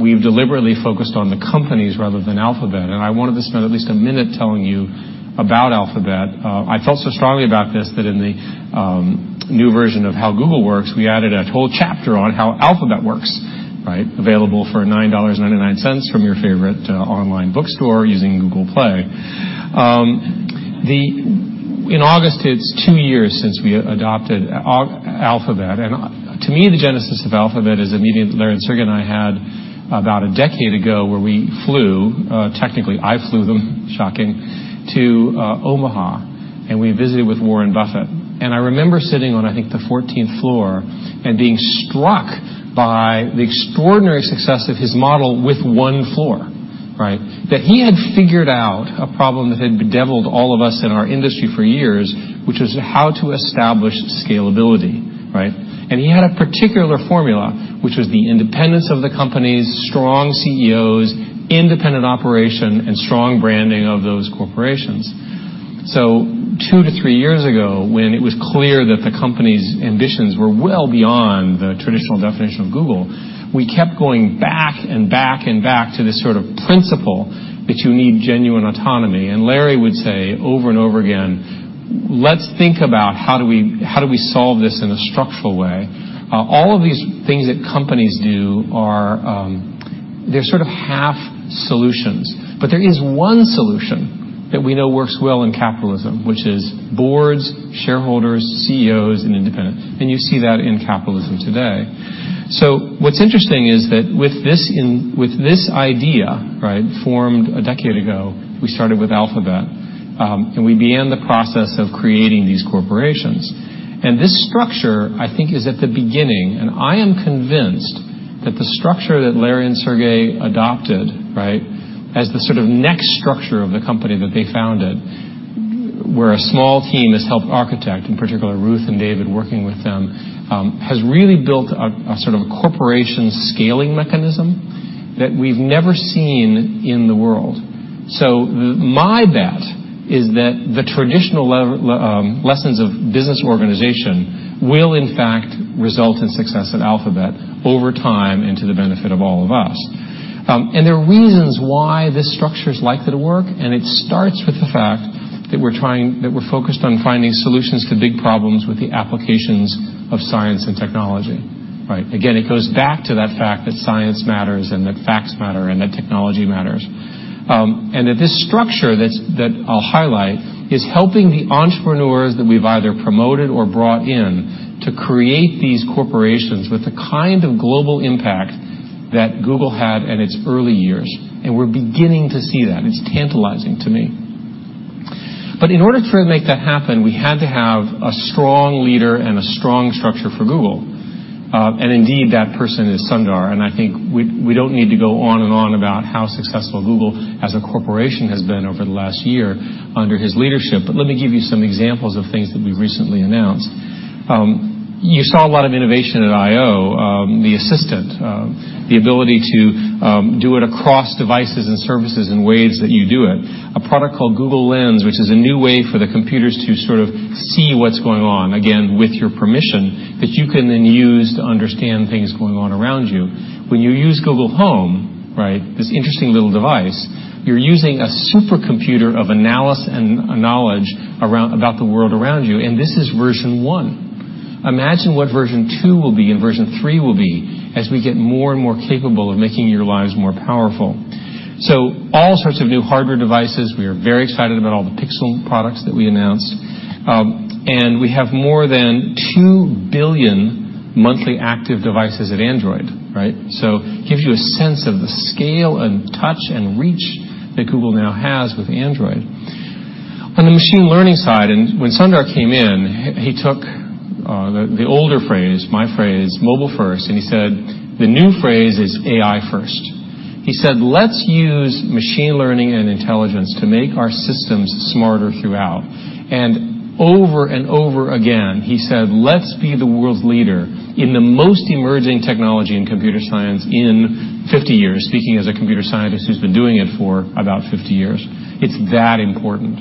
We've deliberately focused on the companies rather than Alphabet. I wanted to spend at least a minute telling you about Alphabet. I felt so strongly about this that in the new version of How Google Works, we added a whole chapter on how Alphabet works, right? Available for $9.99 from your favorite online bookstore using Google Play. In August, it's two years since we adopted Alphabet. To me, the genesis of Alphabet is a meeting that Larry and Sergey and I had about a decade ago where we flew, technically, I flew them, shocking, to Omaha. I remember sitting on, I think, the 14th floor and being struck by the extraordinary success of his model with one floor, right? That he had figured out a problem that had bedeviled all of us in our industry for years, which was how to establish scalability, right? He had a particular formula, which was the independence of the companies, strong CEOs, independent operation, and strong branding of those corporations. Two to three years ago, when it was clear that the company's ambitions were well beyond the traditional definition of Google, we kept going back and back and back to this sort of principle that you need genuine autonomy. Larry would say over and over again, "Let's think about how do we solve this in a structural way." All of these things that companies do, they're sort of half solutions. There is one solution that we know works well in capitalism, which is boards, shareholders, CEOs, and independents. You see that in capitalism today. What's interesting is that with this idea, right, formed a decade ago, we started with Alphabet, and we began the process of creating these corporations. This structure, I think, is at the beginning. I am convinced that the structure that Larry and Sergey adopted, right, as the sort of next structure of the company that they founded, where a small team has helped architect, in particular, Ruth and David working with them, has really built a sort of corporation scaling mechanism that we've never seen in the world. My bet is that the traditional lessons of business organization will, in fact, result in success at Alphabet over time and to the benefit of all of us. There are reasons why this structure is likely to work. It starts with the fact that we're focused on finding solutions to big problems with the applications of science and technology, right? Again, it goes back to that fact that science matters and that facts matter and that technology matters. That this structure that I'll highlight is helping the entrepreneurs that we've either promoted or brought in to create these corporations with the kind of global impact that Google had in its early years. We're beginning to see that. It's tantalizing to me. In order to make that happen, we had to have a strong leader and a strong structure for Google. Indeed, that person is Sundar. I think we don't need to go on and on about how successful Google as a corporation has been over the last year under his leadership. Let me give you some examples of things that we've recently announced. You saw a lot of innovation at I/O, the Assistant, the ability to do it across devices and services in ways that you do it. A product called Google Lens, which is a new way for the computers to sort of see what's going on, again, with your permission, that you can then use to understand things going on around you. When you use Google Home, right, this interesting little device, you're using a supercomputer of analysis and knowledge about the world around you. And this is version one. Imagine what version two will be and version three will be as we get more and more capable of making your lives more powerful. So all sorts of new hardware devices. We are very excited about all the Pixel products that we announced. And we have more than two billion monthly active devices at Android, right? So it gives you a sense of the scale and touch and reach that Google now has with Android. On the machine learning side, when Sundar came in, he took the older phrase, my phrase, mobile first. And he said, "The new phrase is AI first." He said, "Let's use machine learning and intelligence to make our systems smarter throughout." And over and over again, he said, "Let's be the world's leader in the most emerging technology in computer science in 50 years," speaking as a computer scientist who's been doing it for about 50 years. It's that important.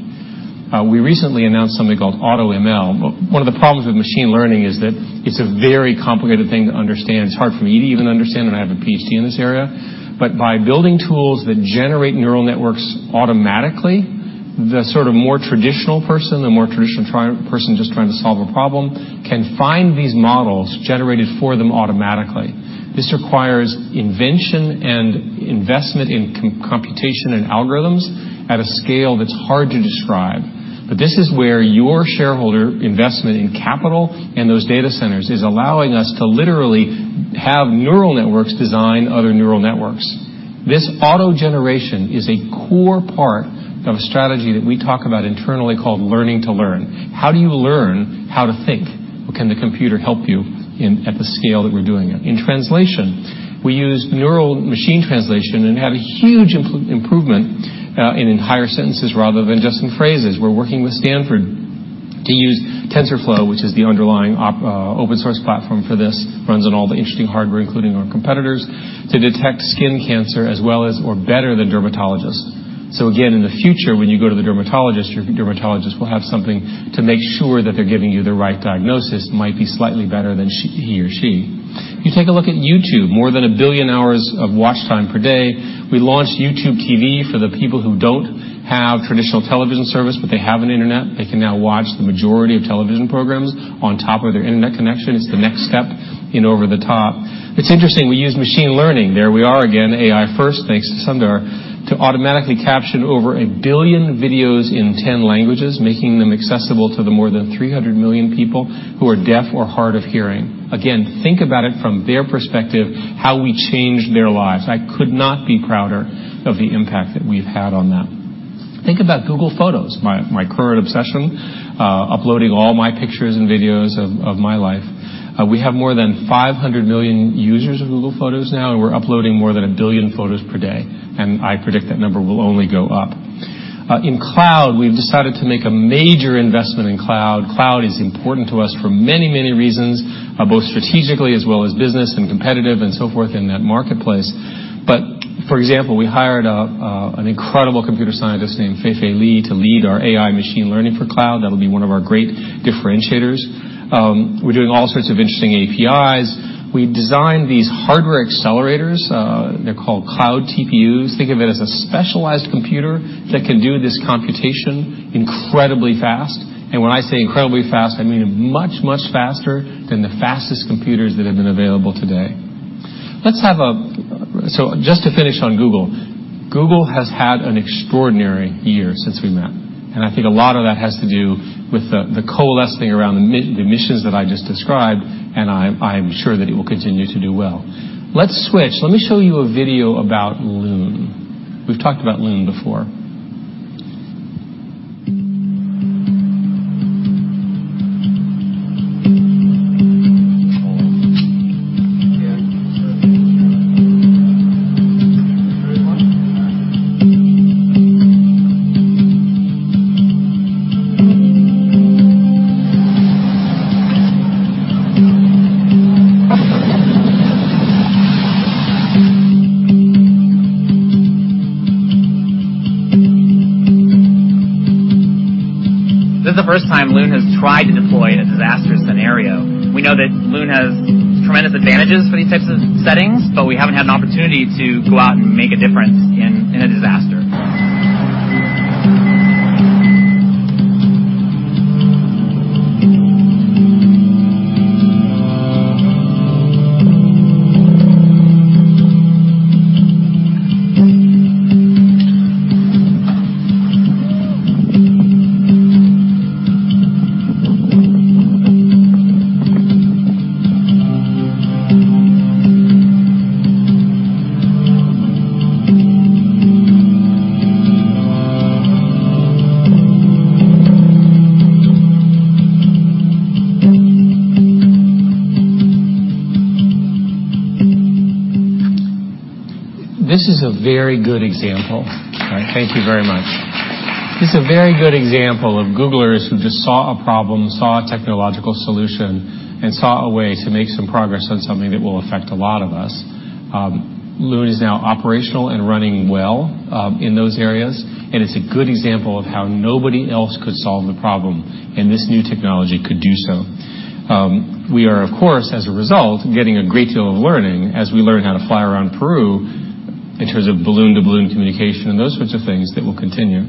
We recently announced something called AutoML. One of the problems with machine learning is that it's a very complicated thing to understand. It's hard for me to even understand. And I have a PhD in this area. But by building tools that generate neural networks automatically, the sort of more traditional person, the more traditional person just trying to solve a problem, can find these models generated for them automatically. This requires invention and investment in computation and algorithms at a scale that's hard to describe. But this is where your shareholder investment in capital and those data centers is allowing us to literally have neural networks design other neural networks. This auto generation is a core part of a strategy that we talk about internally called learning to learn. How do you learn how to think? Well, can the computer help you at the scale that we're doing it? In translation, we use neural machine translation and have a huge improvement in longer sentences rather than just in phrases. We're working with Stanford to use TensorFlow, which is the underlying open-source platform for this, runs on all the interesting hardware, including our competitors, to detect skin cancer as well as, or better than dermatologists. So again, in the future, when you go to the dermatologist, your dermatologist will have something to make sure that they're giving you the right diagnosis. It might be slightly better than he or she. You take a look at YouTube. More than a billion hours of watch time per day. We launched YouTube TV for the people who don't have traditional television service, but they have an internet. They can now watch the majority of television programs on top of their internet connection. It's the next step in over the top. It's interesting. We used machine learning. There we are again, AI first, thanks to Sundar, to automatically caption over a billion videos in 10 languages, making them accessible to the more than 300 million people who are deaf or hard of hearing. Again, think about it from their perspective, how we changed their lives. I could not be prouder of the impact that we've had on that. Think about Google Photos, my current obsession, uploading all my pictures and videos of my life. We have more than 500 million users of Google Photos now, and we're uploading more than a billion photos per day, and I predict that number will only go up. In cloud, we've decided to make a major investment in cloud. Cloud is important to us for many, many reasons, both strategically as well as business and competitive and so forth in that marketplace, but for example, we hired an incredible computer scientist named Fei-Fei Li to lead our AI machine learning for cloud. That'll be one of our great differentiators. We're doing all sorts of interesting APIs. We designed these hardware accelerators. They're called Cloud TPUs. Think of it as a specialized computer that can do this computation incredibly fast. And when I say incredibly fast, I mean much, much faster than the fastest computers that have been available today. So just to finish on Google, Google has had an extraordinary year since we met. And I think a lot of that has to do with the coalescing around the missions that I just described, and I'm sure that it will continue to do well. Let's switch. Let me show you a video about Loon. We've talked about Loon before. This is the first time Loon has tried to deploy a disaster scenario. We know that Loon has tremendous advantages for these types of settings, but we haven't had an opportunity to go out and make a difference in a disaster. This is a very good example. Thank you very much. This is a very good example of Googlers who just saw a problem, saw a technological solution, and saw a way to make some progress on something that will affect a lot of us. Loon is now operational and running well in those areas. It's a good example of how nobody else could solve the problem, and this new technology could do so. We are, of course, as a result, getting a great deal of learning as we learn how to fly around Peru in terms of balloon-to-balloon communication and those sorts of things that will continue.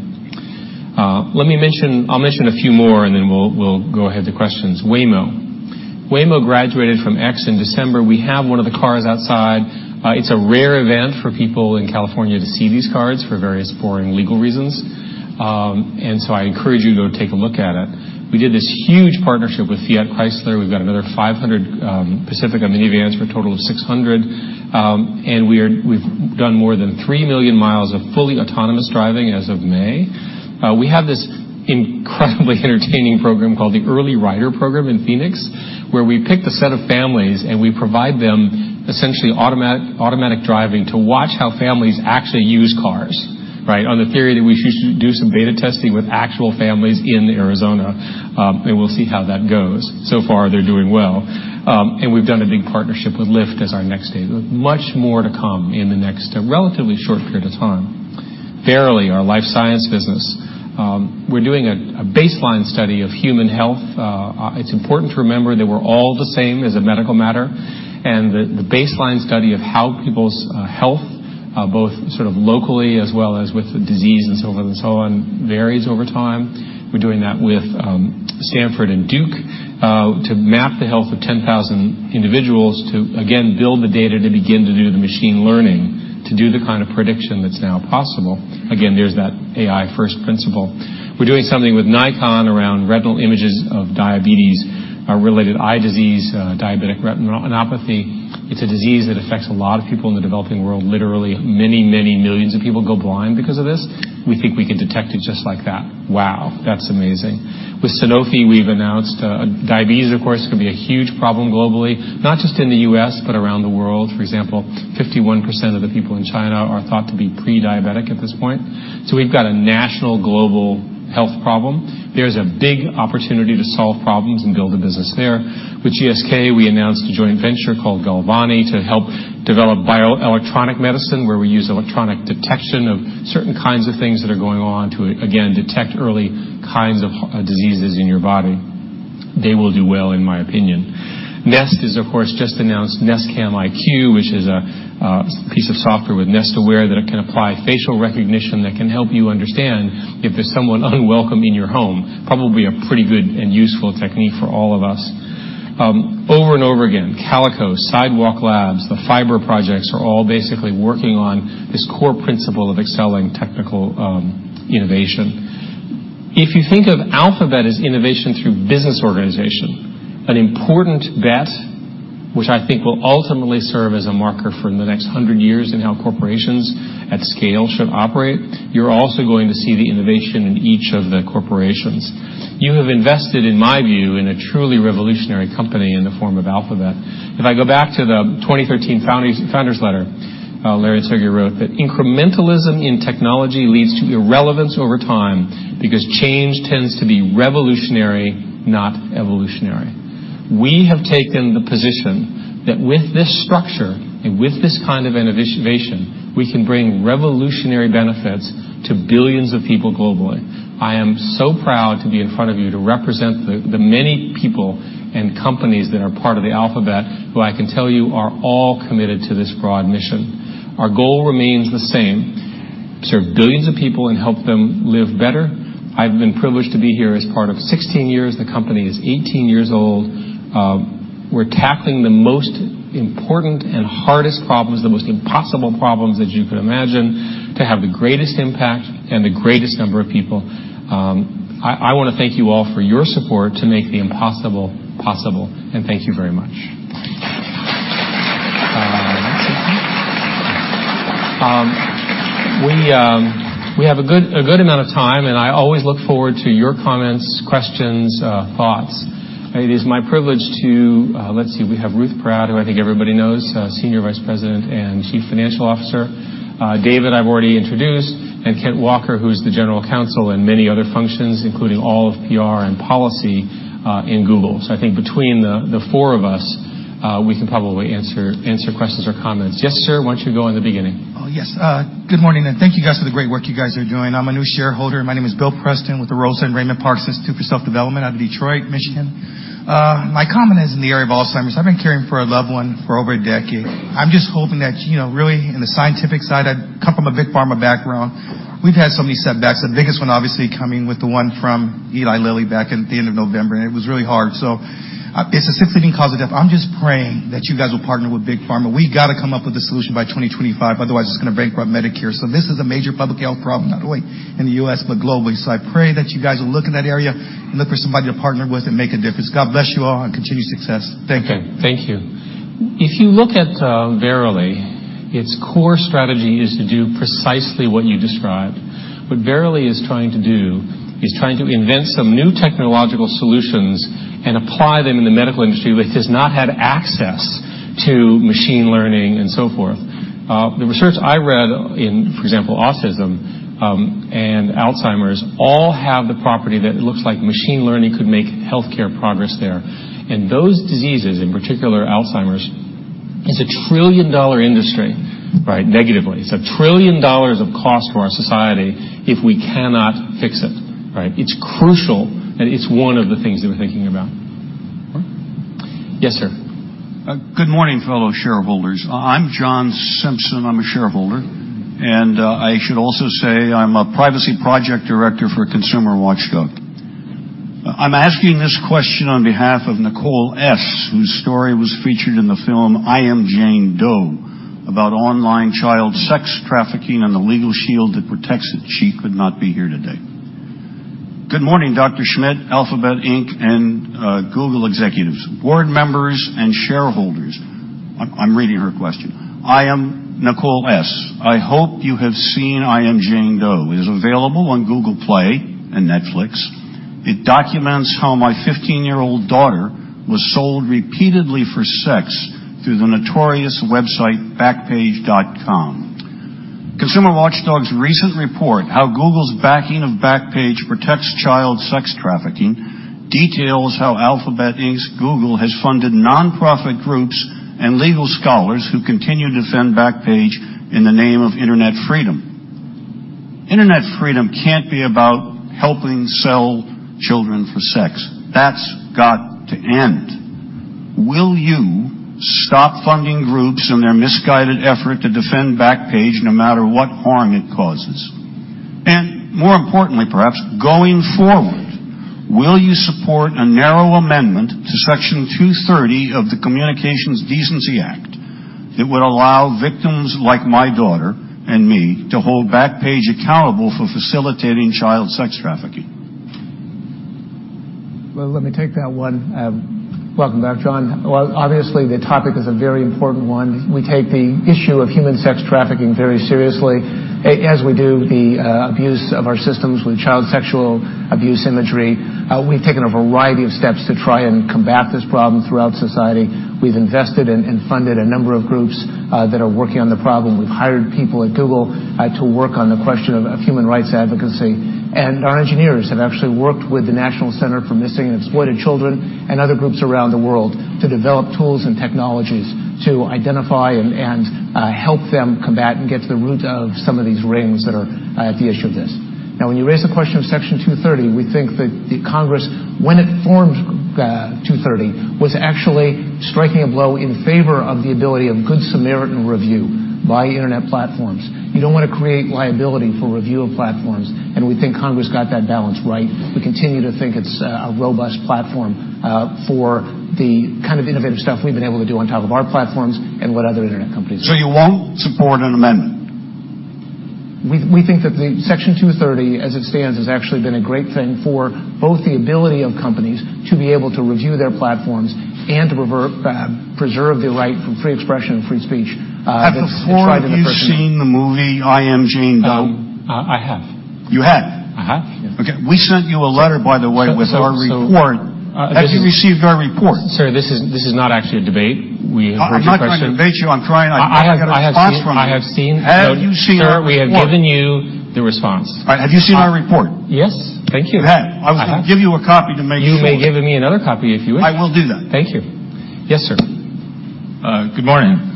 I'll mention a few more, and then we'll go ahead to questions. Waymo. Waymo graduated from X in December. We have one of the cars outside. It's a rare event for people in California to see these cars for various boring legal reasons. And so I encourage you to go take a look at it. We did this huge partnership with Fiat Chrysler. We've got another 500 Pacifica minivans for a total of 600. And we've done more than three million miles of fully autonomous driving as of May. We have this incredibly entertaining program called the Early Rider Program in Phoenix, where we pick a set of families, and we provide them essentially automatic driving to watch how families actually use cars, right, on the theory that we should do some beta testing with actual families in Arizona. And we'll see how that goes. So far, they're doing well. And we've done a big partnership with Lyft as our next state. Much more to come in the next relatively short period of time. Verily, our life science business. We're doing a baseline study of human health. It's important to remember that we're all the same as a medical matter, and the baseline study of how people's health, both sort of locally as well as with disease and so forth and so on, varies over time. We're doing that with Stanford and Duke to map the health of 10,000 individuals to, again, build the data to begin to do the machine learning to do the kind of prediction that's now possible. Again, there's that AI First principle. We're doing something with Nikon around retinal images of diabetes-related eye disease, diabetic retinopathy. It's a disease that affects a lot of people in the developing world, literally many, many millions of people go blind because of this. We think we can detect it just like that. Wow. That's amazing. With Sanofi, we've announced diabetes, of course, could be a huge problem globally, not just in the U.S., but around the world. For example, 51% of the people in China are thought to be prediabetic at this point. So we've got a national global health problem. There's a big opportunity to solve problems and build a business there. With GSK, we announced a joint venture called Galvani to help develop bioelectronic medicine, where we use electronic detection of certain kinds of things that are going on to, again, detect early kinds of diseases in your body. They will do well, in my opinion. Nest is, of course, just announced Nest Cam IQ, which is a piece of software with Nest Aware that can apply facial recognition that can help you understand if there's someone unwelcome in your home. Probably a pretty good and useful technique for all of us. Over and over again, Calico, Sidewalk Labs, the fiber projects are all basically working on this core principle of excelling technical innovation. If you think of Alphabet as innovation through business organization, an important bet, which I think will ultimately serve as a marker for the next 100 years in how corporations at scale should operate, you're also going to see the innovation in each of the corporations. You have invested, in my view, in a truly revolutionary company in the form of Alphabet. If I go back to the 2013 founders letter, Larry Page wrote that incrementalism in technology leads to irrelevance over time because change tends to be revolutionary, not evolutionary. We have taken the position that with this structure and with this kind of innovation, we can bring revolutionary benefits to billions of people globally. I am so proud to be in front of you to represent the many people and companies that are part of the Alphabet who I can tell you are all committed to this broad mission. Our goal remains the same: serve billions of people and help them live better. I've been privileged to be here as part of 16 years. The company is 18 years old. We're tackling the most important and hardest problems, the most impossible problems that you could imagine, to have the greatest impact and the greatest number of people. I want to thank you all for your support to make the impossible possible, and thank you very much. We have a good amount of time, and I always look forward to your comments, questions, thoughts. It is my privilege to, let's see, we have Ruth Porat, who I think everybody knows, Senior Vice President and Chief Financial Officer. David, I've already introduced, and Kent Walker, who is the General Counsel and many other functions, including all of PR and policy in Google. So I think between the four of us, we can probably answer questions or comments. Yes, sir, why don't you go in the beginning? Oh, yes. Good morning, and thank you, guys, for the great work you guys are doing. I'm a new shareholder. My name is Bill Preston with the Rosa and Raymond Parks Institute for Self-Development out of Detroit, Michigan. My comment is in the area of Alzheimer's. I've been caring for a loved one for over a decade. I'm just hoping that really in the scientific side, I come from a big pharma background. We've had so many setbacks. The biggest one, obviously, coming with the one from Eli Lilly back at the end of November, and it was really hard. So it's a second-leading cause of death. I'm just praying that you guys will partner with big pharma. We got to come up with a solution by 2025. Otherwise, it's going to bankrupt Medicare. So this is a major public health problem, not only in the U.S., but globally. So I pray that you guys will look in that area and look for somebody to partner with and make a difference. God bless you all and continued success. Thank you. Okay. Thank you. If you look at Verily, its core strategy is to do precisely what you described. What Verily is trying to do is invent some new technological solutions and apply them in the medical industry that does not have access to machine learning and so forth. The research I read in, for example, autism and Alzheimer's all have the property that it looks like machine learning could make healthcare progress there. And those diseases, in particular Alzheimer's, it's a $1 trillion industry, right, negatively. It's $1 trillion of cost to our society if we cannot fix it, right? It's crucial, and it's one of the things that we're thinking about. Yes, sir. Good morning, fellow shareholders. I'm John Simpson. I'm a shareholder. And I should also say I'm a Privacy Project Director for Consumer Watchdog. I'm asking this question on behalf of Nicole S., whose story was featured in the film I Am Jane Doe about online child sex trafficking and the legal shield that protects it. She could not be here today. Good morning, Dr. Schmidt, Alphabet, Inc., and Google executives, board members, and shareholders. I'm reading her question. I am Nicole S. I hope you have seen I Am Jane Doe. It is available on Google Play and Netflix. It documents how my 15-year-old daughter was sold repeatedly for sex through the notorious website Backpage.com. Consumer Watchdog's recent report, "How Google's Backing of Backpage Protects Child Sex Trafficking," details how Alphabet, Inc. Google has funded nonprofit groups and legal scholars who continue to defend Backpage in the name of internet freedom. Internet freedom can't be about helping sell children for sex. That's got to end. Will you stop funding groups and their misguided effort to defend Backpage no matter what harm it causes? And more importantly, perhaps, going forward, will you support a narrow amendment to Section 230 of the Communications Decency Act that would allow victims like my daughter and me to hold Backpage accountable for facilitating child sex trafficking? Let me take that one. Welcome back, John. Obviously, the topic is a very important one. We take the issue of human sex trafficking very seriously, as we do the abuse of our systems with child sexual abuse imagery. We've taken a variety of steps to try and combat this problem throughout society. We've invested and funded a number of groups that are working on the problem. We've hired people at Google to work on the question of human rights advocacy. Our engineers have actually worked with the National Center for Missing and Exploited Children and other groups around the world to develop tools and technologies to identify and help them combat and get to the root of some of these rings that are at the issue of this. Now, when you raise the question of Section 230, we think that Congress, when it formed 230, was actually striking a blow in favor of the ability of good Samaritan review by internet platforms. You don't want to create liability for review of platforms. And we think Congress got that balance right. We continue to think it's a robust platform for the kind of innovative stuff we've been able to do on top of our platforms and what other internet companies are doing. So you won't support an amendment? We think that the Section 230, as it stands, has actually been a great thing for both the ability of companies to be able to review their platforms and to preserve the right for free expression and free speech. At the forefront of the person. Have you seen the movie I Am Jane Doe? I have. You have? I have. Okay. We sent you a letter, by the way, with our report. Have you received our report? Sir, this is not actually a debate. We have a question. I'm not trying to debate you. I'm trying to get a response from you. I have seen it. Have you seen it? Sir, we have given you the response. Have you seen our report? Yes. Thank you. I was going to give you a copy to make sure. You may give me another copy if you wish. I will do that. Thank you. Yes, sir. Good morning.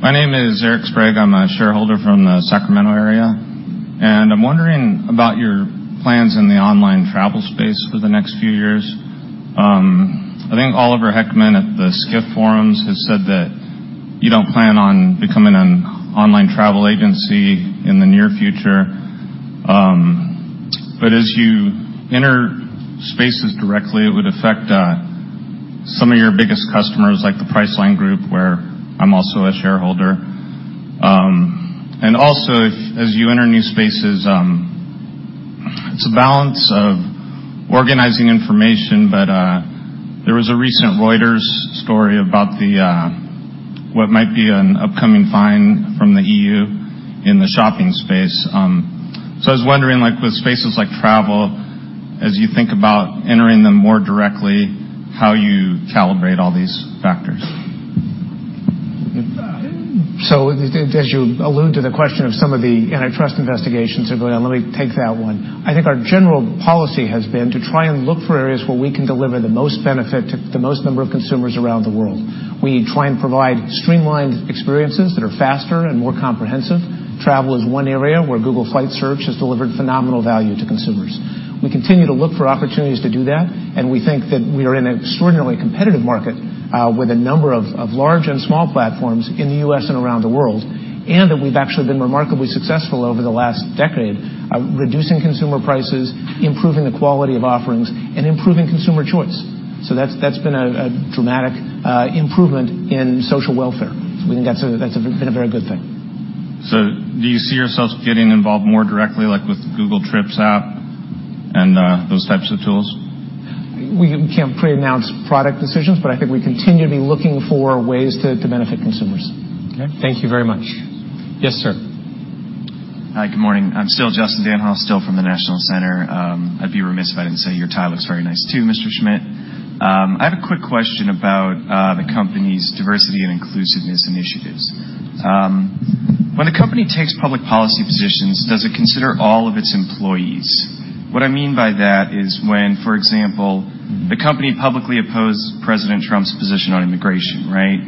My name is Eric Sprague. I'm a shareholder from the Sacramento area. I'm wondering about your plans in the online travel space for the next few years. I think Oliver Heckmann at the Skift Forum has said that you don't plan on becoming an online travel agency in the near future. But as you enter spaces directly, it would affect some of your biggest customers, like the Priceline Group, where I'm also a shareholder. Also, as you enter new spaces, it's a balance of organizing information. But there was a recent Reuters story about what might be an upcoming fine from the EU in the shopping space. So I was wondering, with spaces like travel, as you think about entering them more directly, how you calibrate all these factors? So as you allude to the question of some of the antitrust investigations that are going on, let me take that one. I think our general policy has been to try and look for areas where we can deliver the most benefit to the most number of consumers around the world. We try and provide streamlined experiences that are faster and more comprehensive. Travel is one area where Google Flights has delivered phenomenal value to consumers. We continue to look for opportunities to do that. And we think that we are in an extraordinarily competitive market with a number of large and small platforms in the U.S. and around the world, and that we've actually been remarkably successful over the last decade, reducing consumer prices, improving the quality of offerings, and improving consumer choice. So that's been a dramatic improvement in social welfare. So that's been a very good thing. So do you see yourselves getting involved more directly, like with the Google Trips app and those types of tools? We can't pre-announce product decisions, but I think we continue to be looking for ways to benefit consumers. Okay. Thank you very much. Yes, sir. Hi, good morning. I'm still Justin Danhof, still from the National Center. I'd be remiss if I didn't say your title looks very nice too, Mr. Schmidt. I have a quick question about the company's diversity and inclusiveness initiatives. When a company takes public policy positions, does it consider all of its employees? What I mean by that is when, for example, the company publicly opposed President Trump's position on immigration, right?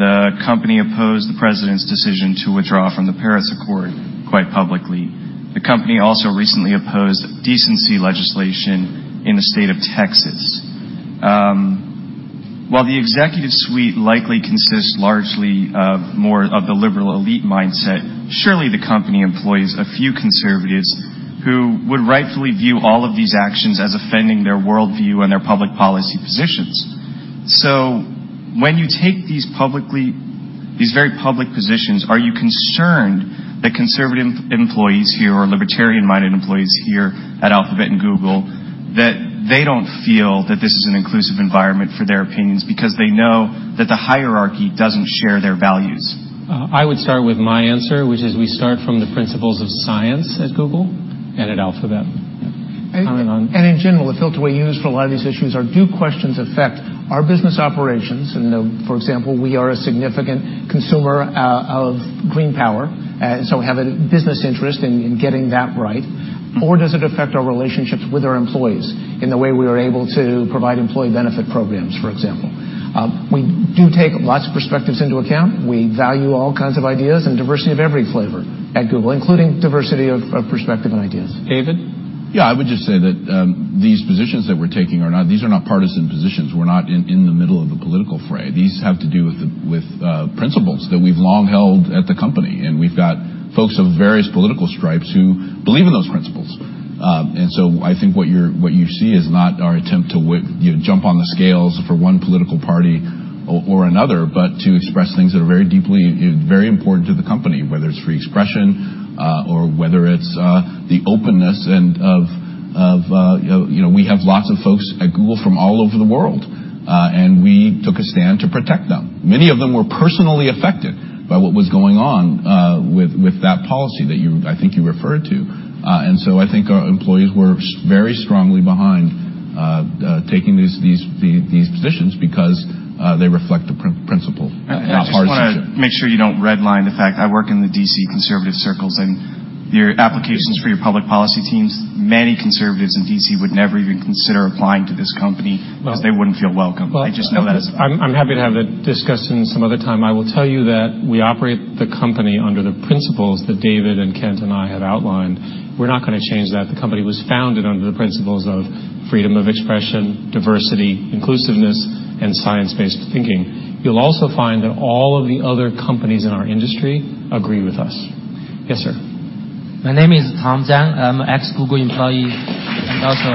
The company opposed the president's decision to withdraw from the Paris Accord quite publicly. The company also recently opposed decency legislation in the state of Texas. While the executive suite likely consists largely of more of the liberal elite mindset, surely the company employs a few conservatives who would rightfully view all of these actions as offending their worldview and their public policy positions. So when you take these very public positions, are you concerned that conservative employees here or libertarian-minded employees here at Alphabet and Google that they don't feel that this is an inclusive environment for their opinions because they know that the hierarchy doesn't share their values? I would start with my answer, which is we start from the principles of science at Google and at Alphabet. And in general, the filter we use for a lot of these issues is: do questions affect our business operations? And for example, we are a significant consumer of green power. So we have a business interest in getting that right. Or does it affect our relationships with our employees in the way we are able to provide employee benefit programs, for example? We do take lots of perspectives into account. We value all kinds of ideas and diversity of every flavor at Google, including diversity of perspective and ideas. David? Yeah, I would just say that these positions that we're taking are not partisan positions. We're not in the middle of a political fray. These have to do with principles that we've long held at the company. And we've got folks of various political stripes who believe in those principles. And so I think what you see is not our attempt to jump on the scales for one political party or another, but to express things that are very deeply important to the company, whether it's free expression or whether it's the openness of we have lots of folks at Google from all over the world. And we took a stand to protect them. Many of them were personally affected by what was going on with that policy that I think you referred to. And so I think our employees were very strongly behind taking these positions because they reflect the principle of partisanship. Just want to make sure you don't redline the fact. I work in the D.C. conservative circles. And your applications for your public policy teams, many conservatives in D.C. would never even consider applying to this company because they wouldn't feel welcome. I just know that as well. I'm happy to have that discussion some other time. I will tell you that we operate the company under the principles that David and Kent and I have outlined. We're not going to change that. The company was founded under the principles of freedom of expression, diversity, inclusiveness, and science-based thinking. You'll also find that all of the other companies in our industry agree with us. Yes, sir. My name is Tom Zhang. I'm an ex-Google employee and also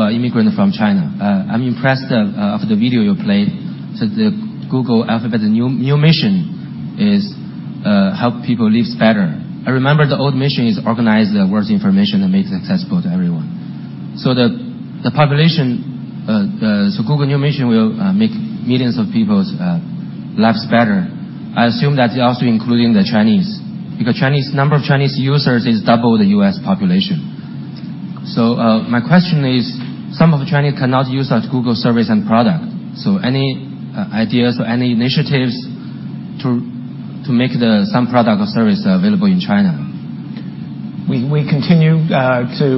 an immigrant from China. I'm impressed after the video you played that the Google Alphabet's new mission is to help people live better. I remember the old mission is to organize the world's information and make it accessible to everyone. So Google's new mission will make millions of people's lives better. I assume that's also including the Chinese because the number of Chinese users is double the US population. So my question is, some of the Chinese cannot use our Google service and product. So any ideas or any initiatives to make some product or service available in China? We continue to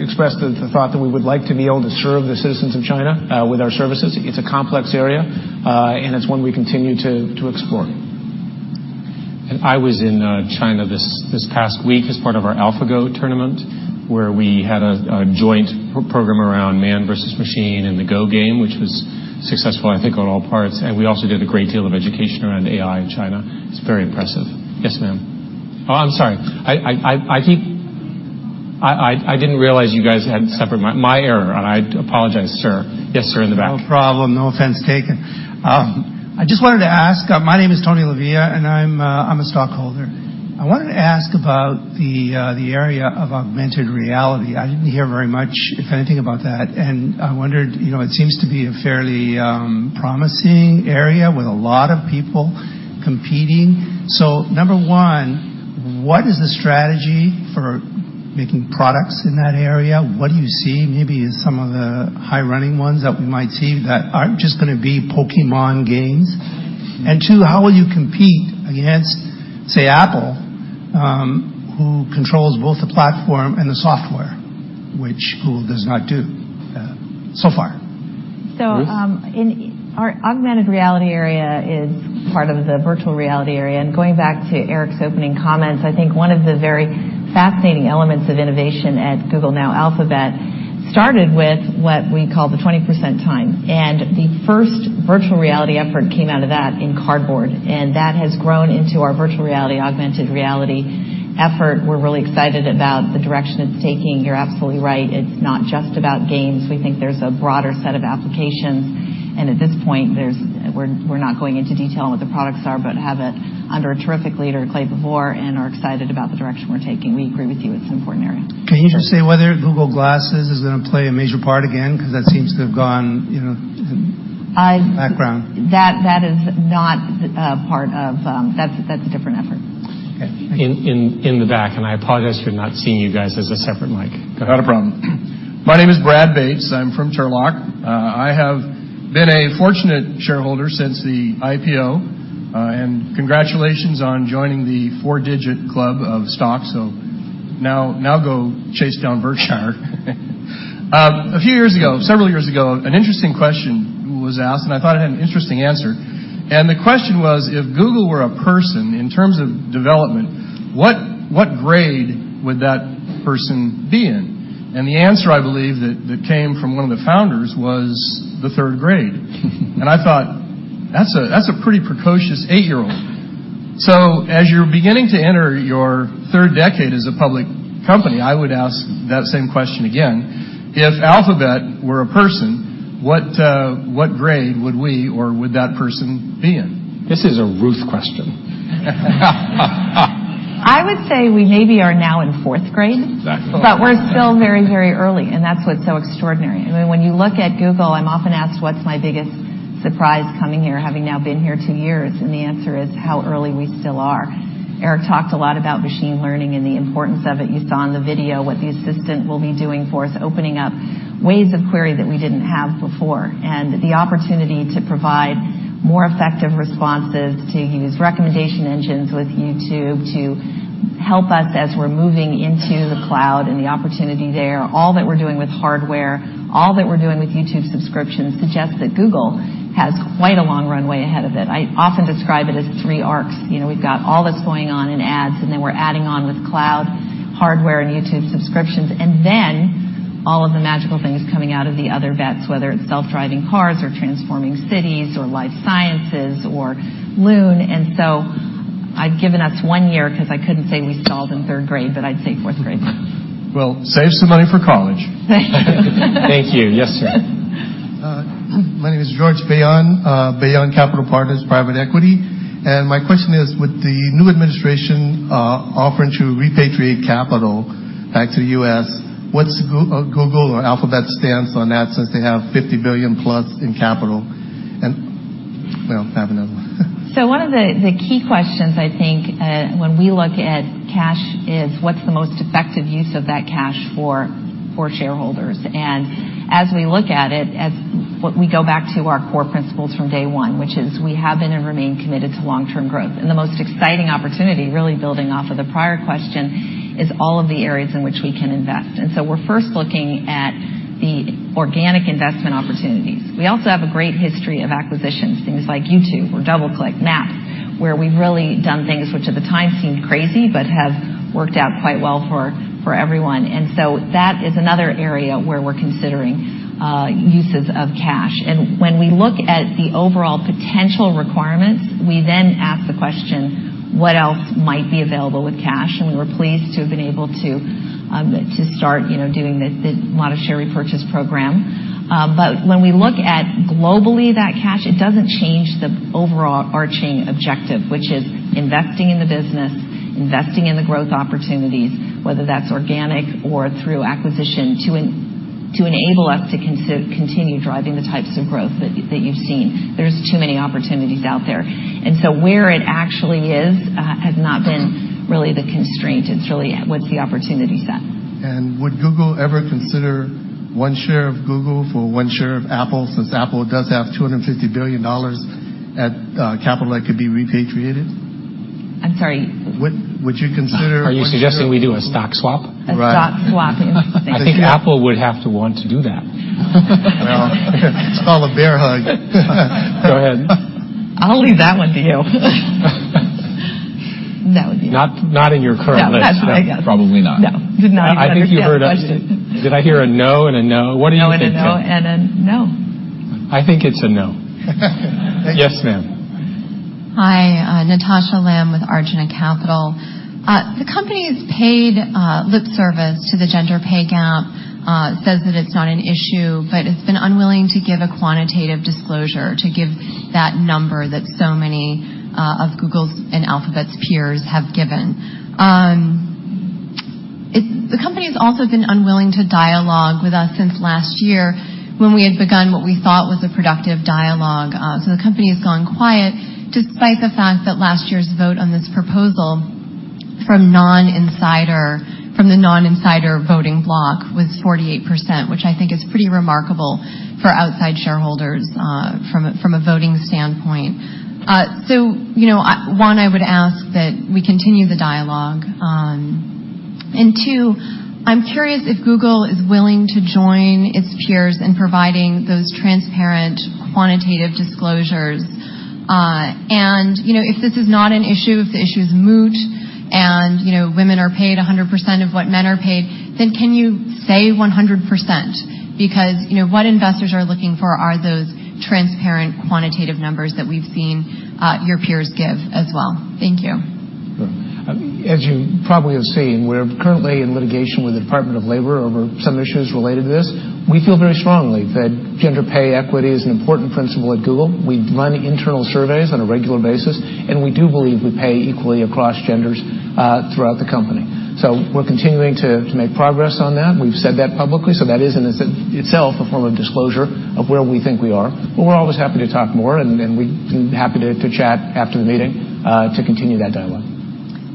express the thought that we would like to be able to serve the citizens of China with our services. It's a complex area, and it's one we continue to explore. And I was in China this past week as part of our AlphaGo tournament, where we had a joint program around man versus machine and the Go game, which was successful, I think, on all parts. And we also did a great deal of education around AI in China. It's very impressive. Yes, ma'am. Oh, I'm sorry. I didn't realize you guys had separate. My error. I apologize, sir. Yes, sir, in the back. No problem. No offense taken. I just wanted to ask. My name is Tony Lavia, and I'm a stockholder. I wanted to ask about the area of augmented reality. I didn't hear very much, if anything, about that. And I wondered, it seems to be a fairly promising area with a lot of people competing. So number one, what is the strategy for making products in that area? What do you see maybe as some of the higher-end ones that we might see that aren't just going to be Pokémon games? And two, how will you compete against, say, Apple, who controls both the platform and the software, which Google does not do so far? So our augmented reality area is part of the virtual reality area. Going back to Eric's opening comments, I think one of the very fascinating elements of innovation at Google, now Alphabet, started with what we call the 20% time. The first virtual reality effort came out of that in Cardboard. That has grown into our virtual reality augmented reality effort. We're really excited about the direction it's taking. You're absolutely right. It's not just about games. We think there's a broader set of applications. At this point, we're not going into detail on what the products are, but have it under a terrific leader, Clay Bavor, and are excited about the direction we're taking. We agree with you. It's an important area. Can you just say whether Google Glass is going to play a major part again? Because that seems to have gone into the background. That is not a part of that. That's a different effort. Okay. In the back. I apologize for not seeing you guys as a separate mic. Not a problem. My name is Brad Bates. I'm from Turlock. I have been a fortunate shareholder since the IPO. Congratulations on joining the four-digit club of stocks. Now go chase down Berkshire. A few years ago, several years ago, an interesting question was asked, and I thought it had an interesting answer. The question was, if Google were a person in terms of development, what grade would that person be in? The answer, I believe, that came from one of the founders was the third grade. I thought, that's a pretty precocious eight-year-old. As you're beginning to enter your third decade as a public company, I would ask that same question again. If Alphabet were a person, what grade would we or would that person be in? This is a Ruth question. I would say we maybe are now in fourth grade. Exactly. But we're still very, very early, and that's what's so extraordinary. I mean, when you look at Google, I'm often asked, what's my biggest surprise coming here, having now been here two years? And the answer is how early we still are. Eric talked a lot about machine learning and the importance of it. You saw in the video what the Assistant will be doing for us, opening up ways of query that we didn't have before, and the opportunity to provide more effective responses, to use recommendation engines with YouTube to help us as we're moving into the cloud and the opportunity there. All that we're doing with hardware, all that we're doing with YouTube subscriptions suggests that Google has quite a long runway ahead of it. I often describe it as three arcs. We've got all that's going on in ads, and then we're adding on with cloud, hardware, and YouTube subscriptions. And then all of the magical things coming out of the other bets, whether it's self-driving cars or transforming cities or life sciences or Loon. And so I've given us one year because I couldn't say we stalled in third grade, but I'd say fourth grade. Well, save some money for college. Thank you. Yes, sir. My name is George Bayon, Banyan Capital Partners Private Equity. And my question is, with the new administration offering to repatriate capital back to the U.S., what's Google or Alphabet's stance on that since they have $50 billion plus in capital? And we'll have another one. So one of the key questions, I think, when we look at cash is what's the most effective use of that cash for shareholders? And as we look at it, as we go back to our core principles from day one, which is we have been and remain committed to long-term growth. And the most exciting opportunity, really building off of the prior question, is all of the areas in which we can invest. And so we're first looking at the organic investment opportunities. We also have a great history of acquisitions, things like YouTube or DoubleClick, Maps, where we've really done things which at the time seemed crazy but have worked out quite well for everyone. And so that is another area where we're considering uses of cash. And when we look at the overall potential requirements, we then ask the question, what else might be available with cash? We were pleased to have been able to start doing the modest share repurchase program. But when we look at our global cash, it doesn't change the overall overarching objective, which is investing in the business, investing in the growth opportunities, whether that's organic or through acquisition to enable us to continue driving the types of growth that you've seen. There's too many opportunities out there. And so where it actually is has not been really the constraint. It's really what's the opportunity set? And would Google ever consider one share of Google for one share of Apple since Apple does have $250 billion in cash that could be repatriated? I'm sorry. Would you consider? Are you suggesting we do a stock swap? A stock swap. I think Apple would have to want to do that. Well, it's called a bear hug. Go ahead. I'll leave that one to you. That would be not in your current list. That's what I guessed. Probably not. No. I think you heard a question. Did I hear a no and a no? What do you think? No, and a no. I think it's a no. Yes, ma'am. Hi. Natasha Lamb with Arjuna Capital. The company has paid lip service to the gender pay gap, says that it's not an issue, but has been unwilling to give a quantitative disclosure, to give that number that so many of Google's and Alphabet's peers have given. The company has also been unwilling to dialogue with us since last year when we had begun what we thought was a productive dialogue. So the company has gone quiet despite the fact that last year's vote on this proposal from the non-insider voting block was 48%, which I think is pretty remarkable for outside shareholders from a voting standpoint. So one, I would ask that we continue the dialogue. And two, I'm curious if Google is willing to join its peers in providing those transparent quantitative disclosures. And if this is not an issue, if the issue is moot and women are paid 100% of what men are paid, then can you say 100%? Because what investors are looking for are those transparent quantitative numbers that we've seen your peers give as well. Thank you. As you probably have seen, we're currently in litigation with the Department of Labor over some issues related to this. We feel very strongly that gender pay equity is an important principle at Google. We run internal surveys on a regular basis, and we do believe we pay equally across genders throughout the company. So we're continuing to make progress on that. We've said that publicly. So that is in itself a form of disclosure of where we think we are. But we're always happy to talk more, and we're happy to chat after the meeting to continue that dialogue.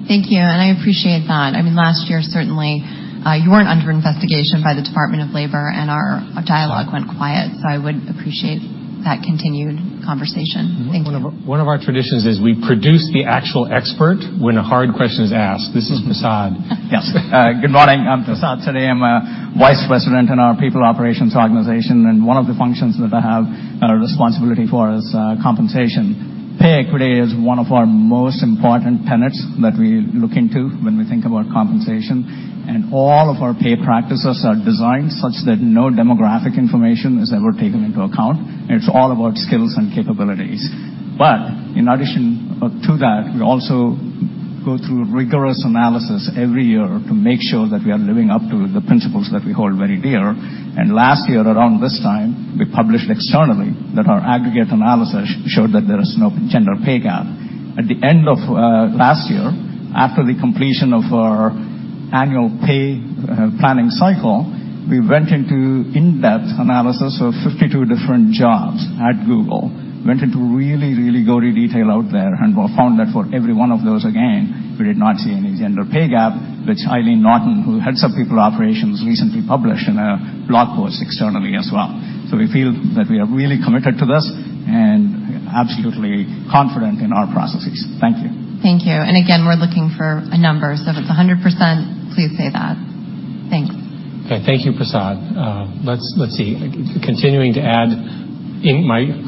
Thank you, and I appreciate that. I mean, last year, certainly, you weren't under investigation by the Department of Labor, and our dialogue went quiet, so I would appreciate that continued conversation. Thank you. One of our traditions is we produce the actual expert when a hard question is asked. This is Prasad. Yes. Good morning. I'm Prasad Setty. I'm a Vice President in our People Operations organization, and one of the functions that I have responsibility for is compensation. Pay equity is one of our most important tenets that we look into when we think about compensation. And all of our pay practices are designed such that no demographic information is ever taken into account. It's all about skills and capabilities. But in addition to that, we also go through rigorous analysis every year to make sure that we are living up to the principles that we hold very dear. And last year, around this time, we published externally that our aggregate analysis showed that there is no gender pay gap. At the end of last year, after the completion of our annual pay planning cycle, we went into in-depth analysis of 52 different jobs at Google, went into really, really gory detail out there, and found that for every one of those, again, we did not see any gender pay gap, which Eileen Naughton, who heads up People Operations, recently published in a blog post externally as well. So we feel that we are really committed to this and absolutely confident in our processes. Thank you. Thank you. And again, we're looking for a number. So if it's 100%, please say that. Thanks. Okay. Thank you, Prasad. Let's see. Continuing to add,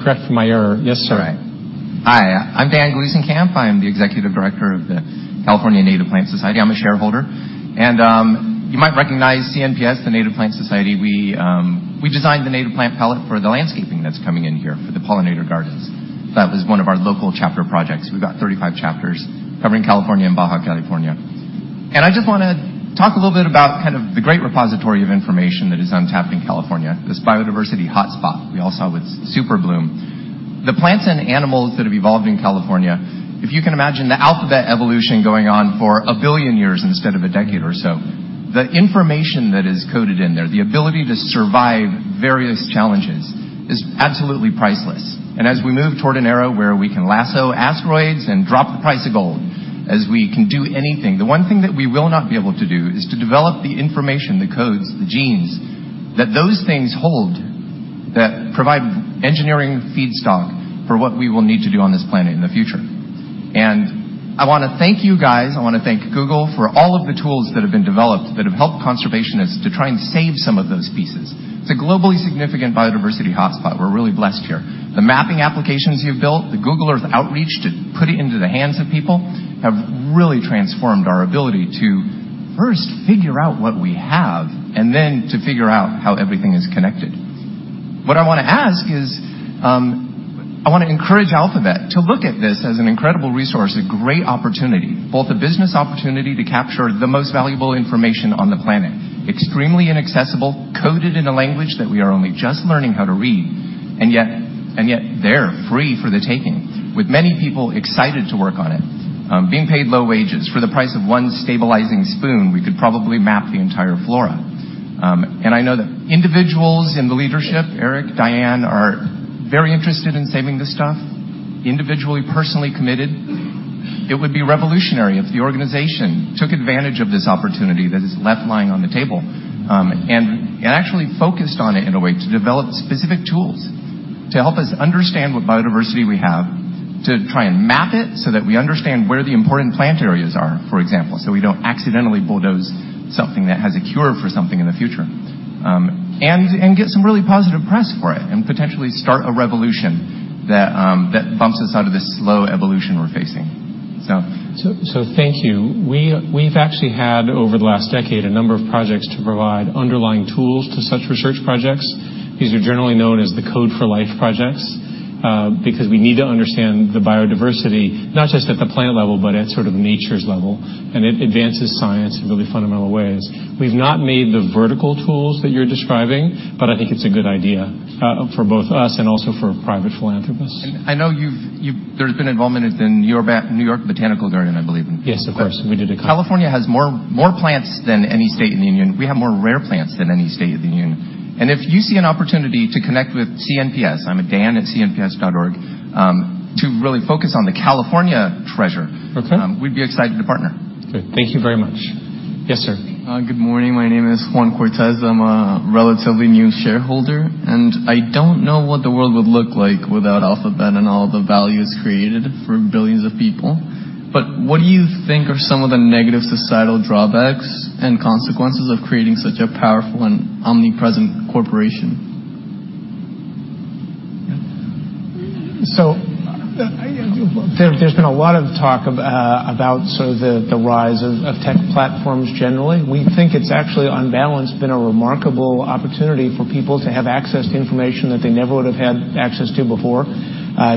correct my error. Yes, sir. Hi. I'm Dan Gluesenkamp. I am the executive director of the California Native Plant Society. I'm a shareholder. And you might recognize CNPS, the Native Plant Society. We designed the native plant palette for the landscaping that's coming in here for the pollinator gardens. That was one of our local chapter projects. We've got 35 chapters covering California and Baja California. And I just want to talk a little bit about kind of the great repository of information that is untapped in California, this biodiversity hotspot we all saw with Super Bloom. The plants and animals that have evolved in California, if you can imagine the alphabet evolution going on for a billion years instead of a decade or so, the information that is coded in there, the ability to survive various challenges is absolutely priceless. As we move toward an era where we can lasso asteroids and drop the price of gold, as we can do anything, the one thing that we will not be able to do is to develop the information, the codes, the genes that those things hold that provide engineering feedstock for what we will need to do on this planet in the future. I want to thank you guys. I want to thank Google for all of the tools that have been developed that have helped conservationists to try and save some of those pieces. It's a globally significant biodiversity hotspot. We're really blessed here. The mapping applications you've built, the Google Earth Outreach to put it into the hands of people have really transformed our ability to first figure out what we have and then to figure out how everything is connected. What I want to ask is I want to encourage Alphabet to look at this as an incredible resource, a great opportunity, both a business opportunity to capture the most valuable information on the planet, extremely inaccessible, coded in a language that we are only just learning how to read, and yet they're free for the taking, with many people excited to work on it. Being paid low wages, for the price of one stabilizing spoon, we could probably map the entire flora. And I know that individuals in the leadership, Eric, Diane, are very interested in saving this stuff, individually, personally committed. It would be revolutionary if the organization took advantage of this opportunity that is left lying on the table and actually focused on it in a way to develop specific tools to help us understand what biodiversity we have, to try and map it so that we understand where the important plant areas are, for example, so we don't accidentally bulldoze something that has a cure for something in the future, and get some really positive press for it and potentially start a revolution that bumps us out of this slow evolution we're facing. So thank you. We've actually had, over the last decade, a number of projects to provide underlying tools to such research projects. These are generally known as the code for life projects because we need to understand the biodiversity, not just at the plant level, but at sort of nature's level. And it advances science in really fundamental ways. We've not made the vertical tools that you're describing, but I think it's a good idea for both us and also for private philanthropists. And I know there's been involvement in the New York Botanical Garden, I believe. Yes, of course. California has more plants than any state in the union. We have more rare plants than any state in the union. And if you see an opportunity to connect with CNPS, I'm Dan at CNPS.org, to really focus on the California treasure, we'd be excited to partner. Okay. Thank you very much. Yes, sir. Good morning. My name is Juan Cortez. I'm a relatively new shareholder, and I don't know what the world would look like without Alphabet and all the values created for billions of people. But what do you think are some of the negative societal drawbacks and consequences of creating such a powerful and omnipresent corporation? So there's been a lot of talk about sort of the rise of tech platforms generally. We think it's actually, on balance, been a remarkable opportunity for people to have access to information that they never would have had access to before,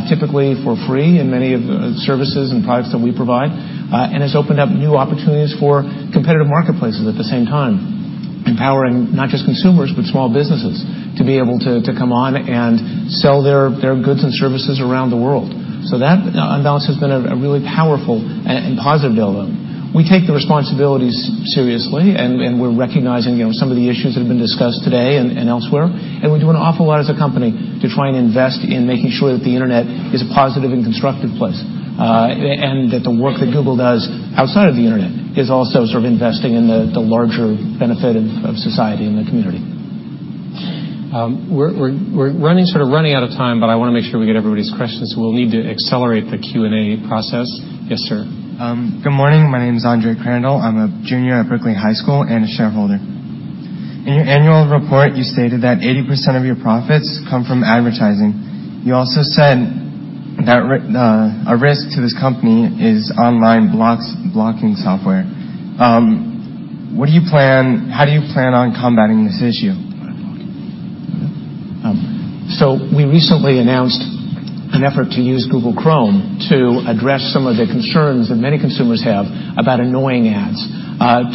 typically for free in many of the services and products that we provide. And it's opened up new opportunities for competitive marketplaces at the same time, empowering not just consumers, but small businesses to be able to come on and sell their goods and services around the world. So that, on balance, has been a really powerful and positive deal though. We take the responsibilities seriously, and we're recognizing some of the issues that have been discussed today and elsewhere. We're doing an awful lot as a company to try and invest in making sure that the internet is a positive and constructive place and that the work that Google does outside of the internet is also sort of investing in the larger benefit of society and the community. We're sort of running out of time, but I want to make sure we get everybody's questions. So we'll need to accelerate the Q&A process. Yes, sir. Good morning. My name is Andre Crandall. I'm a junior at Berkeley High School and a shareholder. In your annual report, you stated that 80% of your profits come from advertising. You also said that a risk to this company is ad blocking software. What do you plan? How do you plan on combating this issue? So we recently announced an effort to use Google Chrome to address some of the concerns that many consumers have about annoying ads,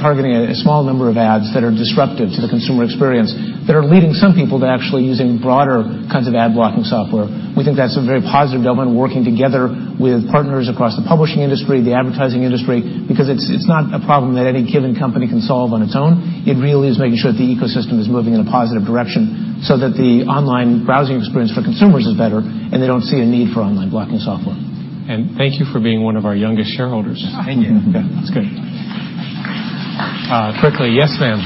targeting a small number of ads that are disruptive to the consumer experience, that are leading some people to actually using broader kinds of ad blocking software. We think that's a very positive development, working together with partners across the publishing industry, the advertising industry, because it's not a problem that any given company can solve on its own. It really is making sure that the ecosystem is moving in a positive direction so that the online browsing experience for consumers is better and they don't see a need for ad blocking software. And thank you for being one of our youngest shareholders. Thank you. That's good. Quickly, yes, ma'am.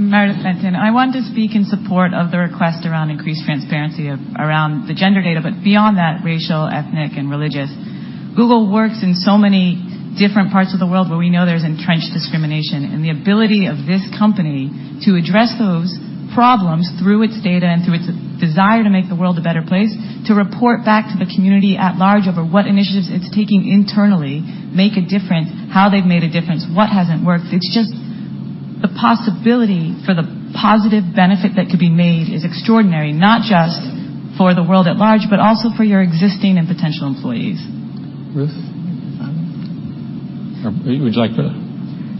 Meredith Benton. I want to speak in support of the request around increased transparency around the gender data, but beyond that, racial, ethnic, and religious. Google works in so many different parts of the world where we know there's entrenched discrimination, and the ability of this company to address those problems through its data and through its desire to make the world a better place, to report back to the community at large over what initiatives it's taking internally make a difference, how they've made a difference, what hasn't worked. It's just the possibility for the positive benefit that could be made, is extraordinary, not just for the world at large, but also for your existing and potential employees. Ruth? Would you like to?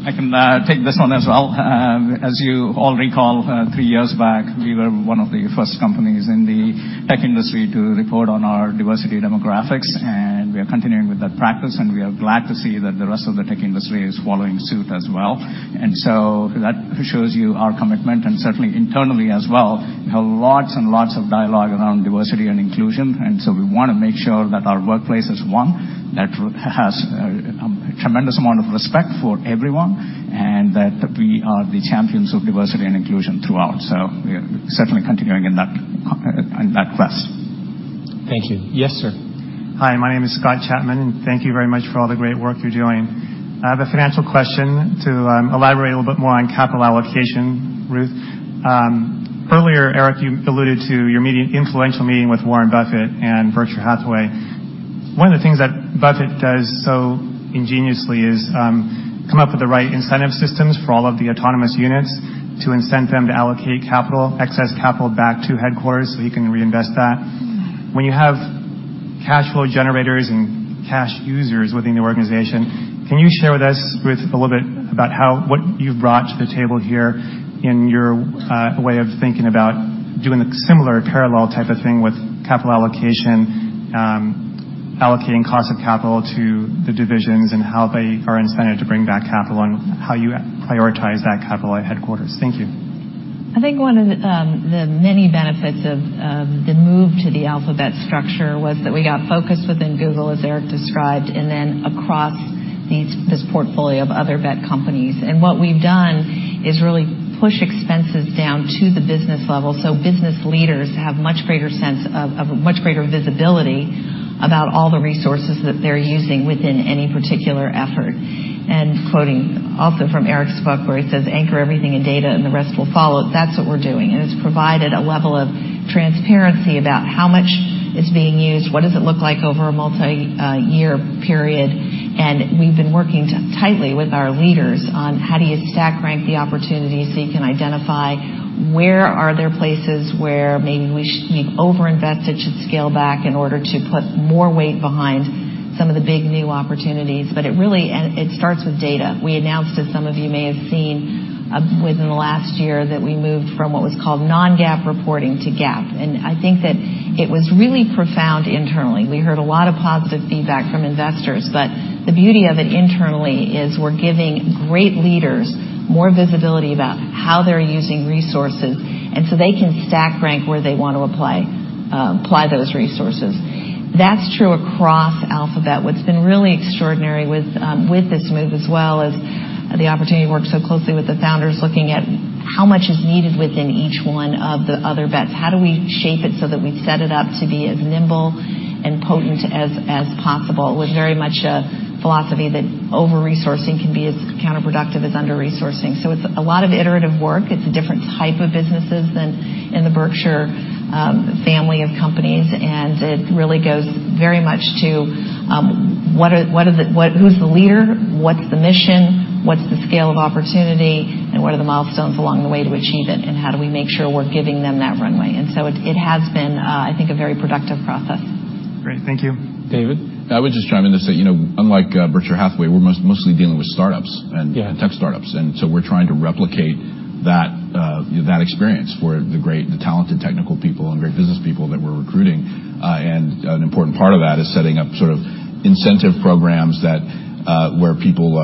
I can take this one as well. As you all recall, three years back, we were one of the first companies in the tech industry to report on our diversity demographics. And we are continuing with that practice. And we are glad to see that the rest of the tech industry is following suit as well. And so that shows you our commitment. And certainly internally as well, we have lots and lots of dialogue around diversity and inclusion. And so we want to make sure that our workplace is one that has a tremendous amount of respect for everyone, and that we are the champions of diversity and inclusion throughout. So we're certainly continuing in that quest. Thank you. Yes, sir. Hi. My name is Scott Chapman. And thank you very much for all the great work you're doing. I have a financial question to elaborate a little bit more on capital allocation, Ruth. Earlier, Eric, you alluded to your influential meeting with Warren Buffett and Berkshire Hathaway. One of the things that Buffett does so ingeniously is come up with the right incentive systems for all of the autonomous units to incent them to allocate capital, excess capital back to headquarters so he can reinvest that. When you have cash flow generators and cash users within the organization, can you share with us a little bit about what you've brought to the table here in your way of thinking about doing a similar parallel type of thing with capital allocation, allocating cost of capital to the divisions and how they are incented to bring back capital and how you prioritize that capital at headquarters? Thank you. I think one of the many benefits of the move to the Alphabet structure was that we got focused within Google, as Eric described, and then across this portfolio of other bet companies. And what we've done is really push expenses down to the business level so business leaders have much greater sense of visibility about all the resources that they're using within any particular effort. And quoting also from Eric's book where he says, "Anchor everything in data and the rest will follow," that's what we're doing. And it's provided a level of transparency about how much is being used, what does it look like over a multi-year period. And we've been working tightly with our leaders on how do you stack rank the opportunities so you can identify where are there places where maybe we overinvested, should scale back in order to put more weight behind some of the big new opportunities. But it starts with data. We announced, as some of you may have seen, within the last year that we moved from what was called non-GAAP reporting to GAAP. And I think that it was really profound internally. We heard a lot of positive feedback from investors. But the beauty of it internally is we're giving great leaders more visibility about how they're using resources and so they can stack rank where they want to apply those resources. That's true across Alphabet. What's been really extraordinary with this move as well is the opportunity to work so closely with the founders looking at how much is needed within each one of the other bets. How do we shape it so that we set it up to be as nimble and potent as possible? It was very much a philosophy that over-resourcing can be as counterproductive as under-resourcing. So it's a lot of iterative work. It's a different type of businesses than in the Berkshire family of companies. And it really goes very much to who's the leader, what's the mission, what's the scale of opportunity, and what are the milestones along the way to achieve it, and how do we make sure we're giving them that runway. And so it has been, I think, a very productive process. Great. Thank you. David? I would just chime in to say, unlike Berkshire Hathaway, we're mostly dealing with startups and tech startups. And so we're trying to replicate that experience for the great, the talented technical people and great business people that we're recruiting. And an important part of that is setting up sort of incentive programs where people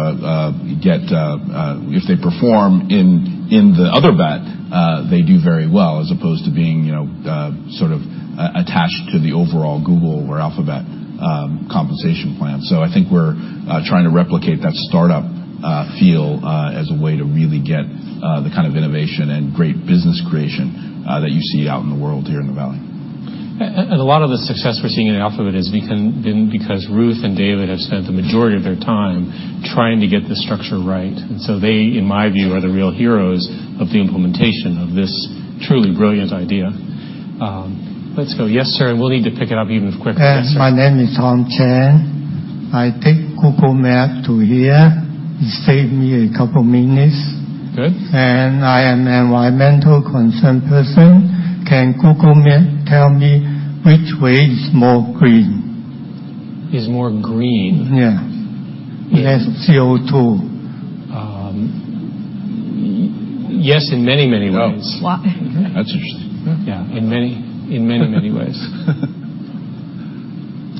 get, if they perform in the Other Bets, they do very well as opposed to being sort of attached to the overall Google or Alphabet compensation plan. So I think we're trying to replicate that startup feel as a way to really get the kind of innovation and great business creation that you see out in the world here in the Valley. And a lot of the success we're seeing in Alphabet has been because Ruth and David have spent the majority of their time trying to get the structure right. And so they, in my view, are the real heroes of the implementation of this truly brilliant idea. Let's go. Yes, sir. And we'll need to pick it up even quicker. My name is Tom Chen. I take Google Maps to here. It saved me a couple of minutes. And I am an environmental concern person. Can Google Maps tell me which way is more green? Is more green? Yeah. Less CO2. Yes, in many, many ways. That's interesting. Yeah, in many, many ways.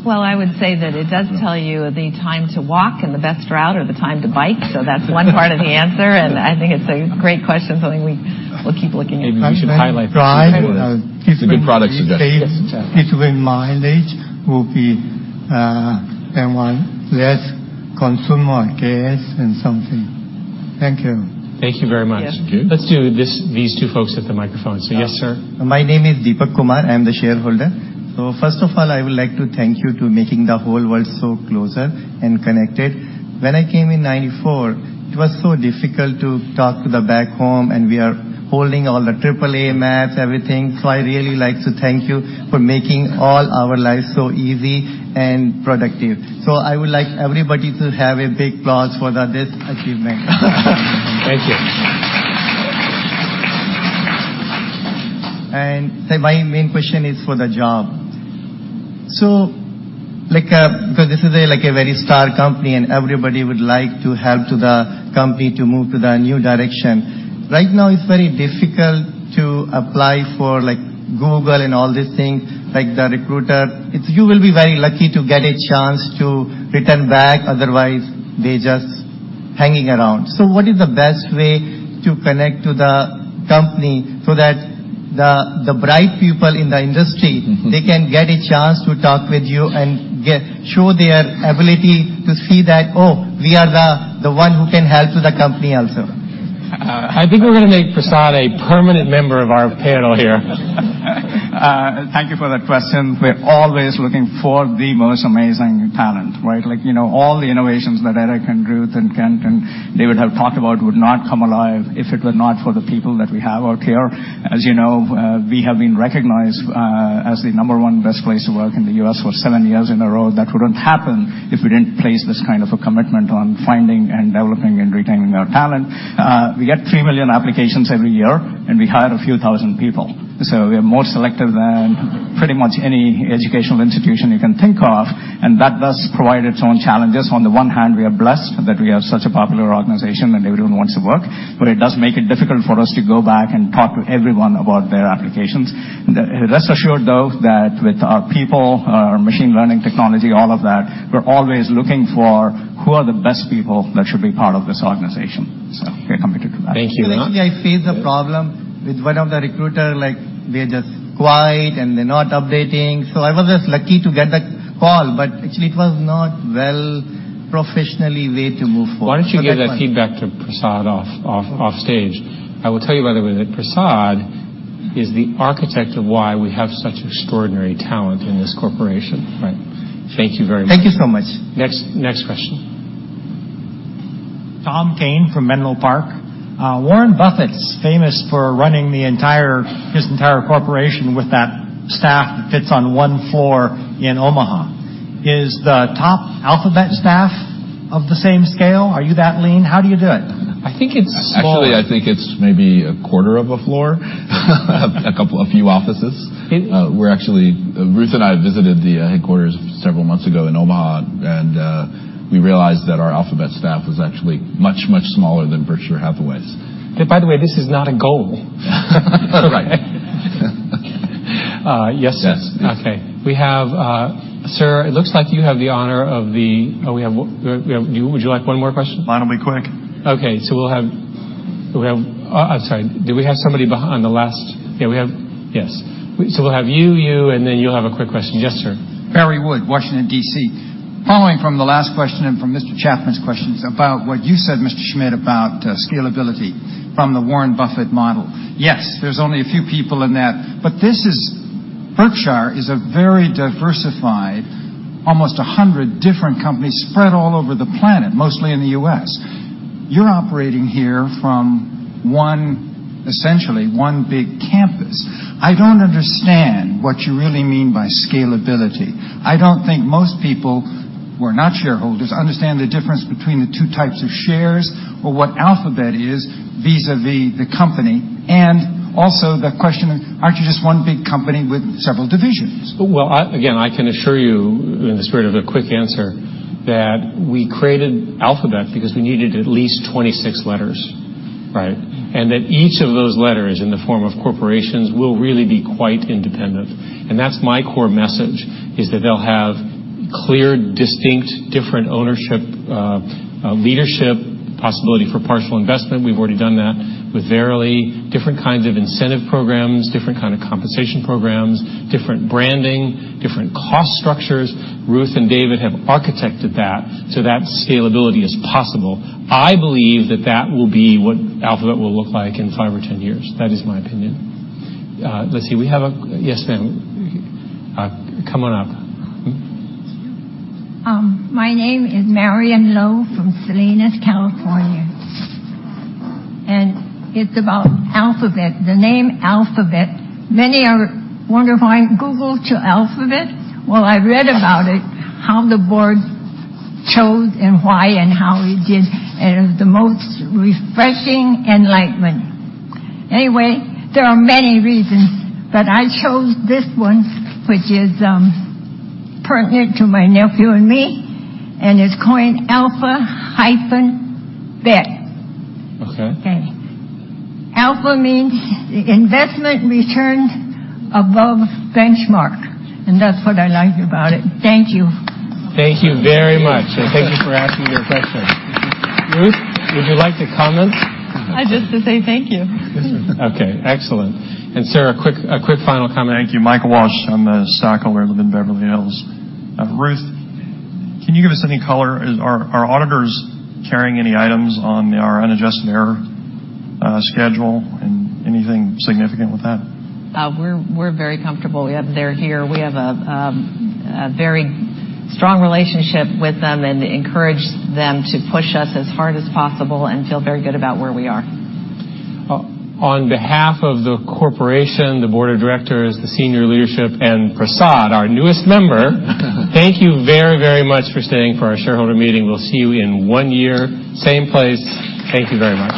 Well, I would say that it does tell you the time to walk and the best route or the time to bike. So that's one part of the answer. And I think it's a great question. Something we'll keep looking at. Maybe we should highlight this too. It's a good product suggestion. It's with mileage will be less consumer gas and something. Thank you. Thank you very much. Let's do these two folks at the microphone. So yes, sir. My name is Deepak Kumar. I'm the shareholder. So first of all, I would like to thank you for making the whole world so closer and connected. When I came in 1994, it was so difficult to talk to the back home, and we are holding all the AAA maps, everything. So I really like to thank you for making all our lives so easy and productive. So I would like everybody to have a big applause for this achievement. Thank you. And my main question is for the job. So because this is a very star company and everybody would like to help the company to move to the new direction, right now it's very difficult to apply for Google and all these things. The recruiter, you will be very lucky to get a chance to return back. Otherwise, they're just hanging around. So what is the best way to connect to the company so that the bright people in the industry, they can get a chance to talk with you and show their ability to see that, "Oh, we are the one who can help the company also." I think we're going to make Prasad a permanent member of our panel here. Thank you for that question. We're always looking for the most amazing talent, right? All the innovations that Eric and Ruth and Kent and David have talked about would not come alive if it were not for the people that we have out here. As you know, we have been recognized as the number one best place to work in the U.S. for seven years in a row. That wouldn't happen if we didn't place this kind of a commitment on finding and developing and retaining our talent. We get 3 million applications every year, and we hire a few thousand people. So we are more selective than pretty much any educational institution you can think of. And that does provide its own challenges. On the one hand, we are blessed that we have such a popular organization and everyone wants to work. But it does make it difficult for us to go back and talk to everyone about their applications. Rest assured, though, that with our people, our machine learning technology, all of that, we're always looking for who are the best people that should be part of this organization. So we're committed to that. Thank you. Actually, I faced a problem with one of the recruiters. They're just quiet, and they're not updating. I was just lucky to get the call. But actually, it was not a well-professionally way to move forward. Why don't you give that feedback to Prasad offstage? I will tell you, by the way, that Prasad is the architect of why we have such extraordinary talent in this corporation. Thank you very much. Thank you so much. Next question. Tom Kane from Menlo Park. Warren Buffett's famous for running his entire corporation with that staff that fits on one floor in Omaha. Is the top Alphabet staff of the same scale? Are you that lean? How do you do it? I think it's small. Actually, I think it's maybe a quarter of a floor, a few offices. Ruth and I visited the headquarters several months ago in Omaha, and we realized that our Alphabet staff was actually much, much smaller than Berkshire Hathaway's. By the way, this is not a goal. Right. Yes, sir. Okay. We have, sir, it looks like you have the honor of the. Oh, would you like one more question? Why don't we quick? Okay. So we'll have. I'm sorry. Did we have somebody on the last? Yeah, we have. Yes. So we'll have you, you, and then you'll have a quick question. Yes, sir. Perry Wood, Washington, D.C. Following from the last question and from Mr. Chapman's questions about what you said, Mr. Schmidt, about scalability from the Warren Buffett model. Yes, there's only a few people in that. But Berkshire is a very diversified, almost 100 different companies spread all over the planet, mostly in the U.S. You're operating here from essentially one big campus. I don't understand what you really mean by scalability. I don't think most people, who are not shareholders, understand the difference between the two types of shares or what Alphabet is vis-à-vis the company. And also the question of, aren't you just one big company with several divisions? Well, again, I can assure you in the spirit of a quick answer that we created Alphabet because we needed at least 26 letters, right? And that each of those letters in the form of corporations will really be quite independent. And that's my core message, is that they'll have clear, distinct, different ownership, leadership, possibility for partial investment. We've already done that with Verily, different kinds of incentive programs, different kinds of compensation programs, different branding, different cost structures. Ruth and David have architected that so that scalability is possible. I believe that that will be what Alphabet will look like in 5 or 10 years. That is my opinion. Let's see. Yes, ma'am. Come on up. My name is Marion Lowe from Salinas, California. And it's about Alphabet. The name Alphabet, many are wonderful. I googled Alphabet while I read about it, how the board chose and why and how it did. And it was the most refreshing enlightenment. Anyway, there are many reasons, but I chose this one, which is pertinent to my nephew and me, and it's coined Alpha hyphen Bet. Alpha means investment returned above benchmark. And that's what I like about it. Thank you. Thank you very much. And thank you for asking your question. Ruth, would you like to comment? I just want to say thank you. Okay. Excellent. And sir, a quick final comment. Thank you. Michael Walsh, a stockholder from Beverly Hills. Ruth, can you give us any color? Are auditors carrying any items on our unadjusted error schedule and anything significant with that? We're very comfortable. They're here. We have a very strong relationship with them and encourage them to push us as hard as possible and feel very good about where we are. On behalf of the corporation, the board of directors, the senior leadership, and Prasad, our newest member, thank you very, very much for staying for our shareholder meeting. We'll see you in one year, same place. Thank you very much.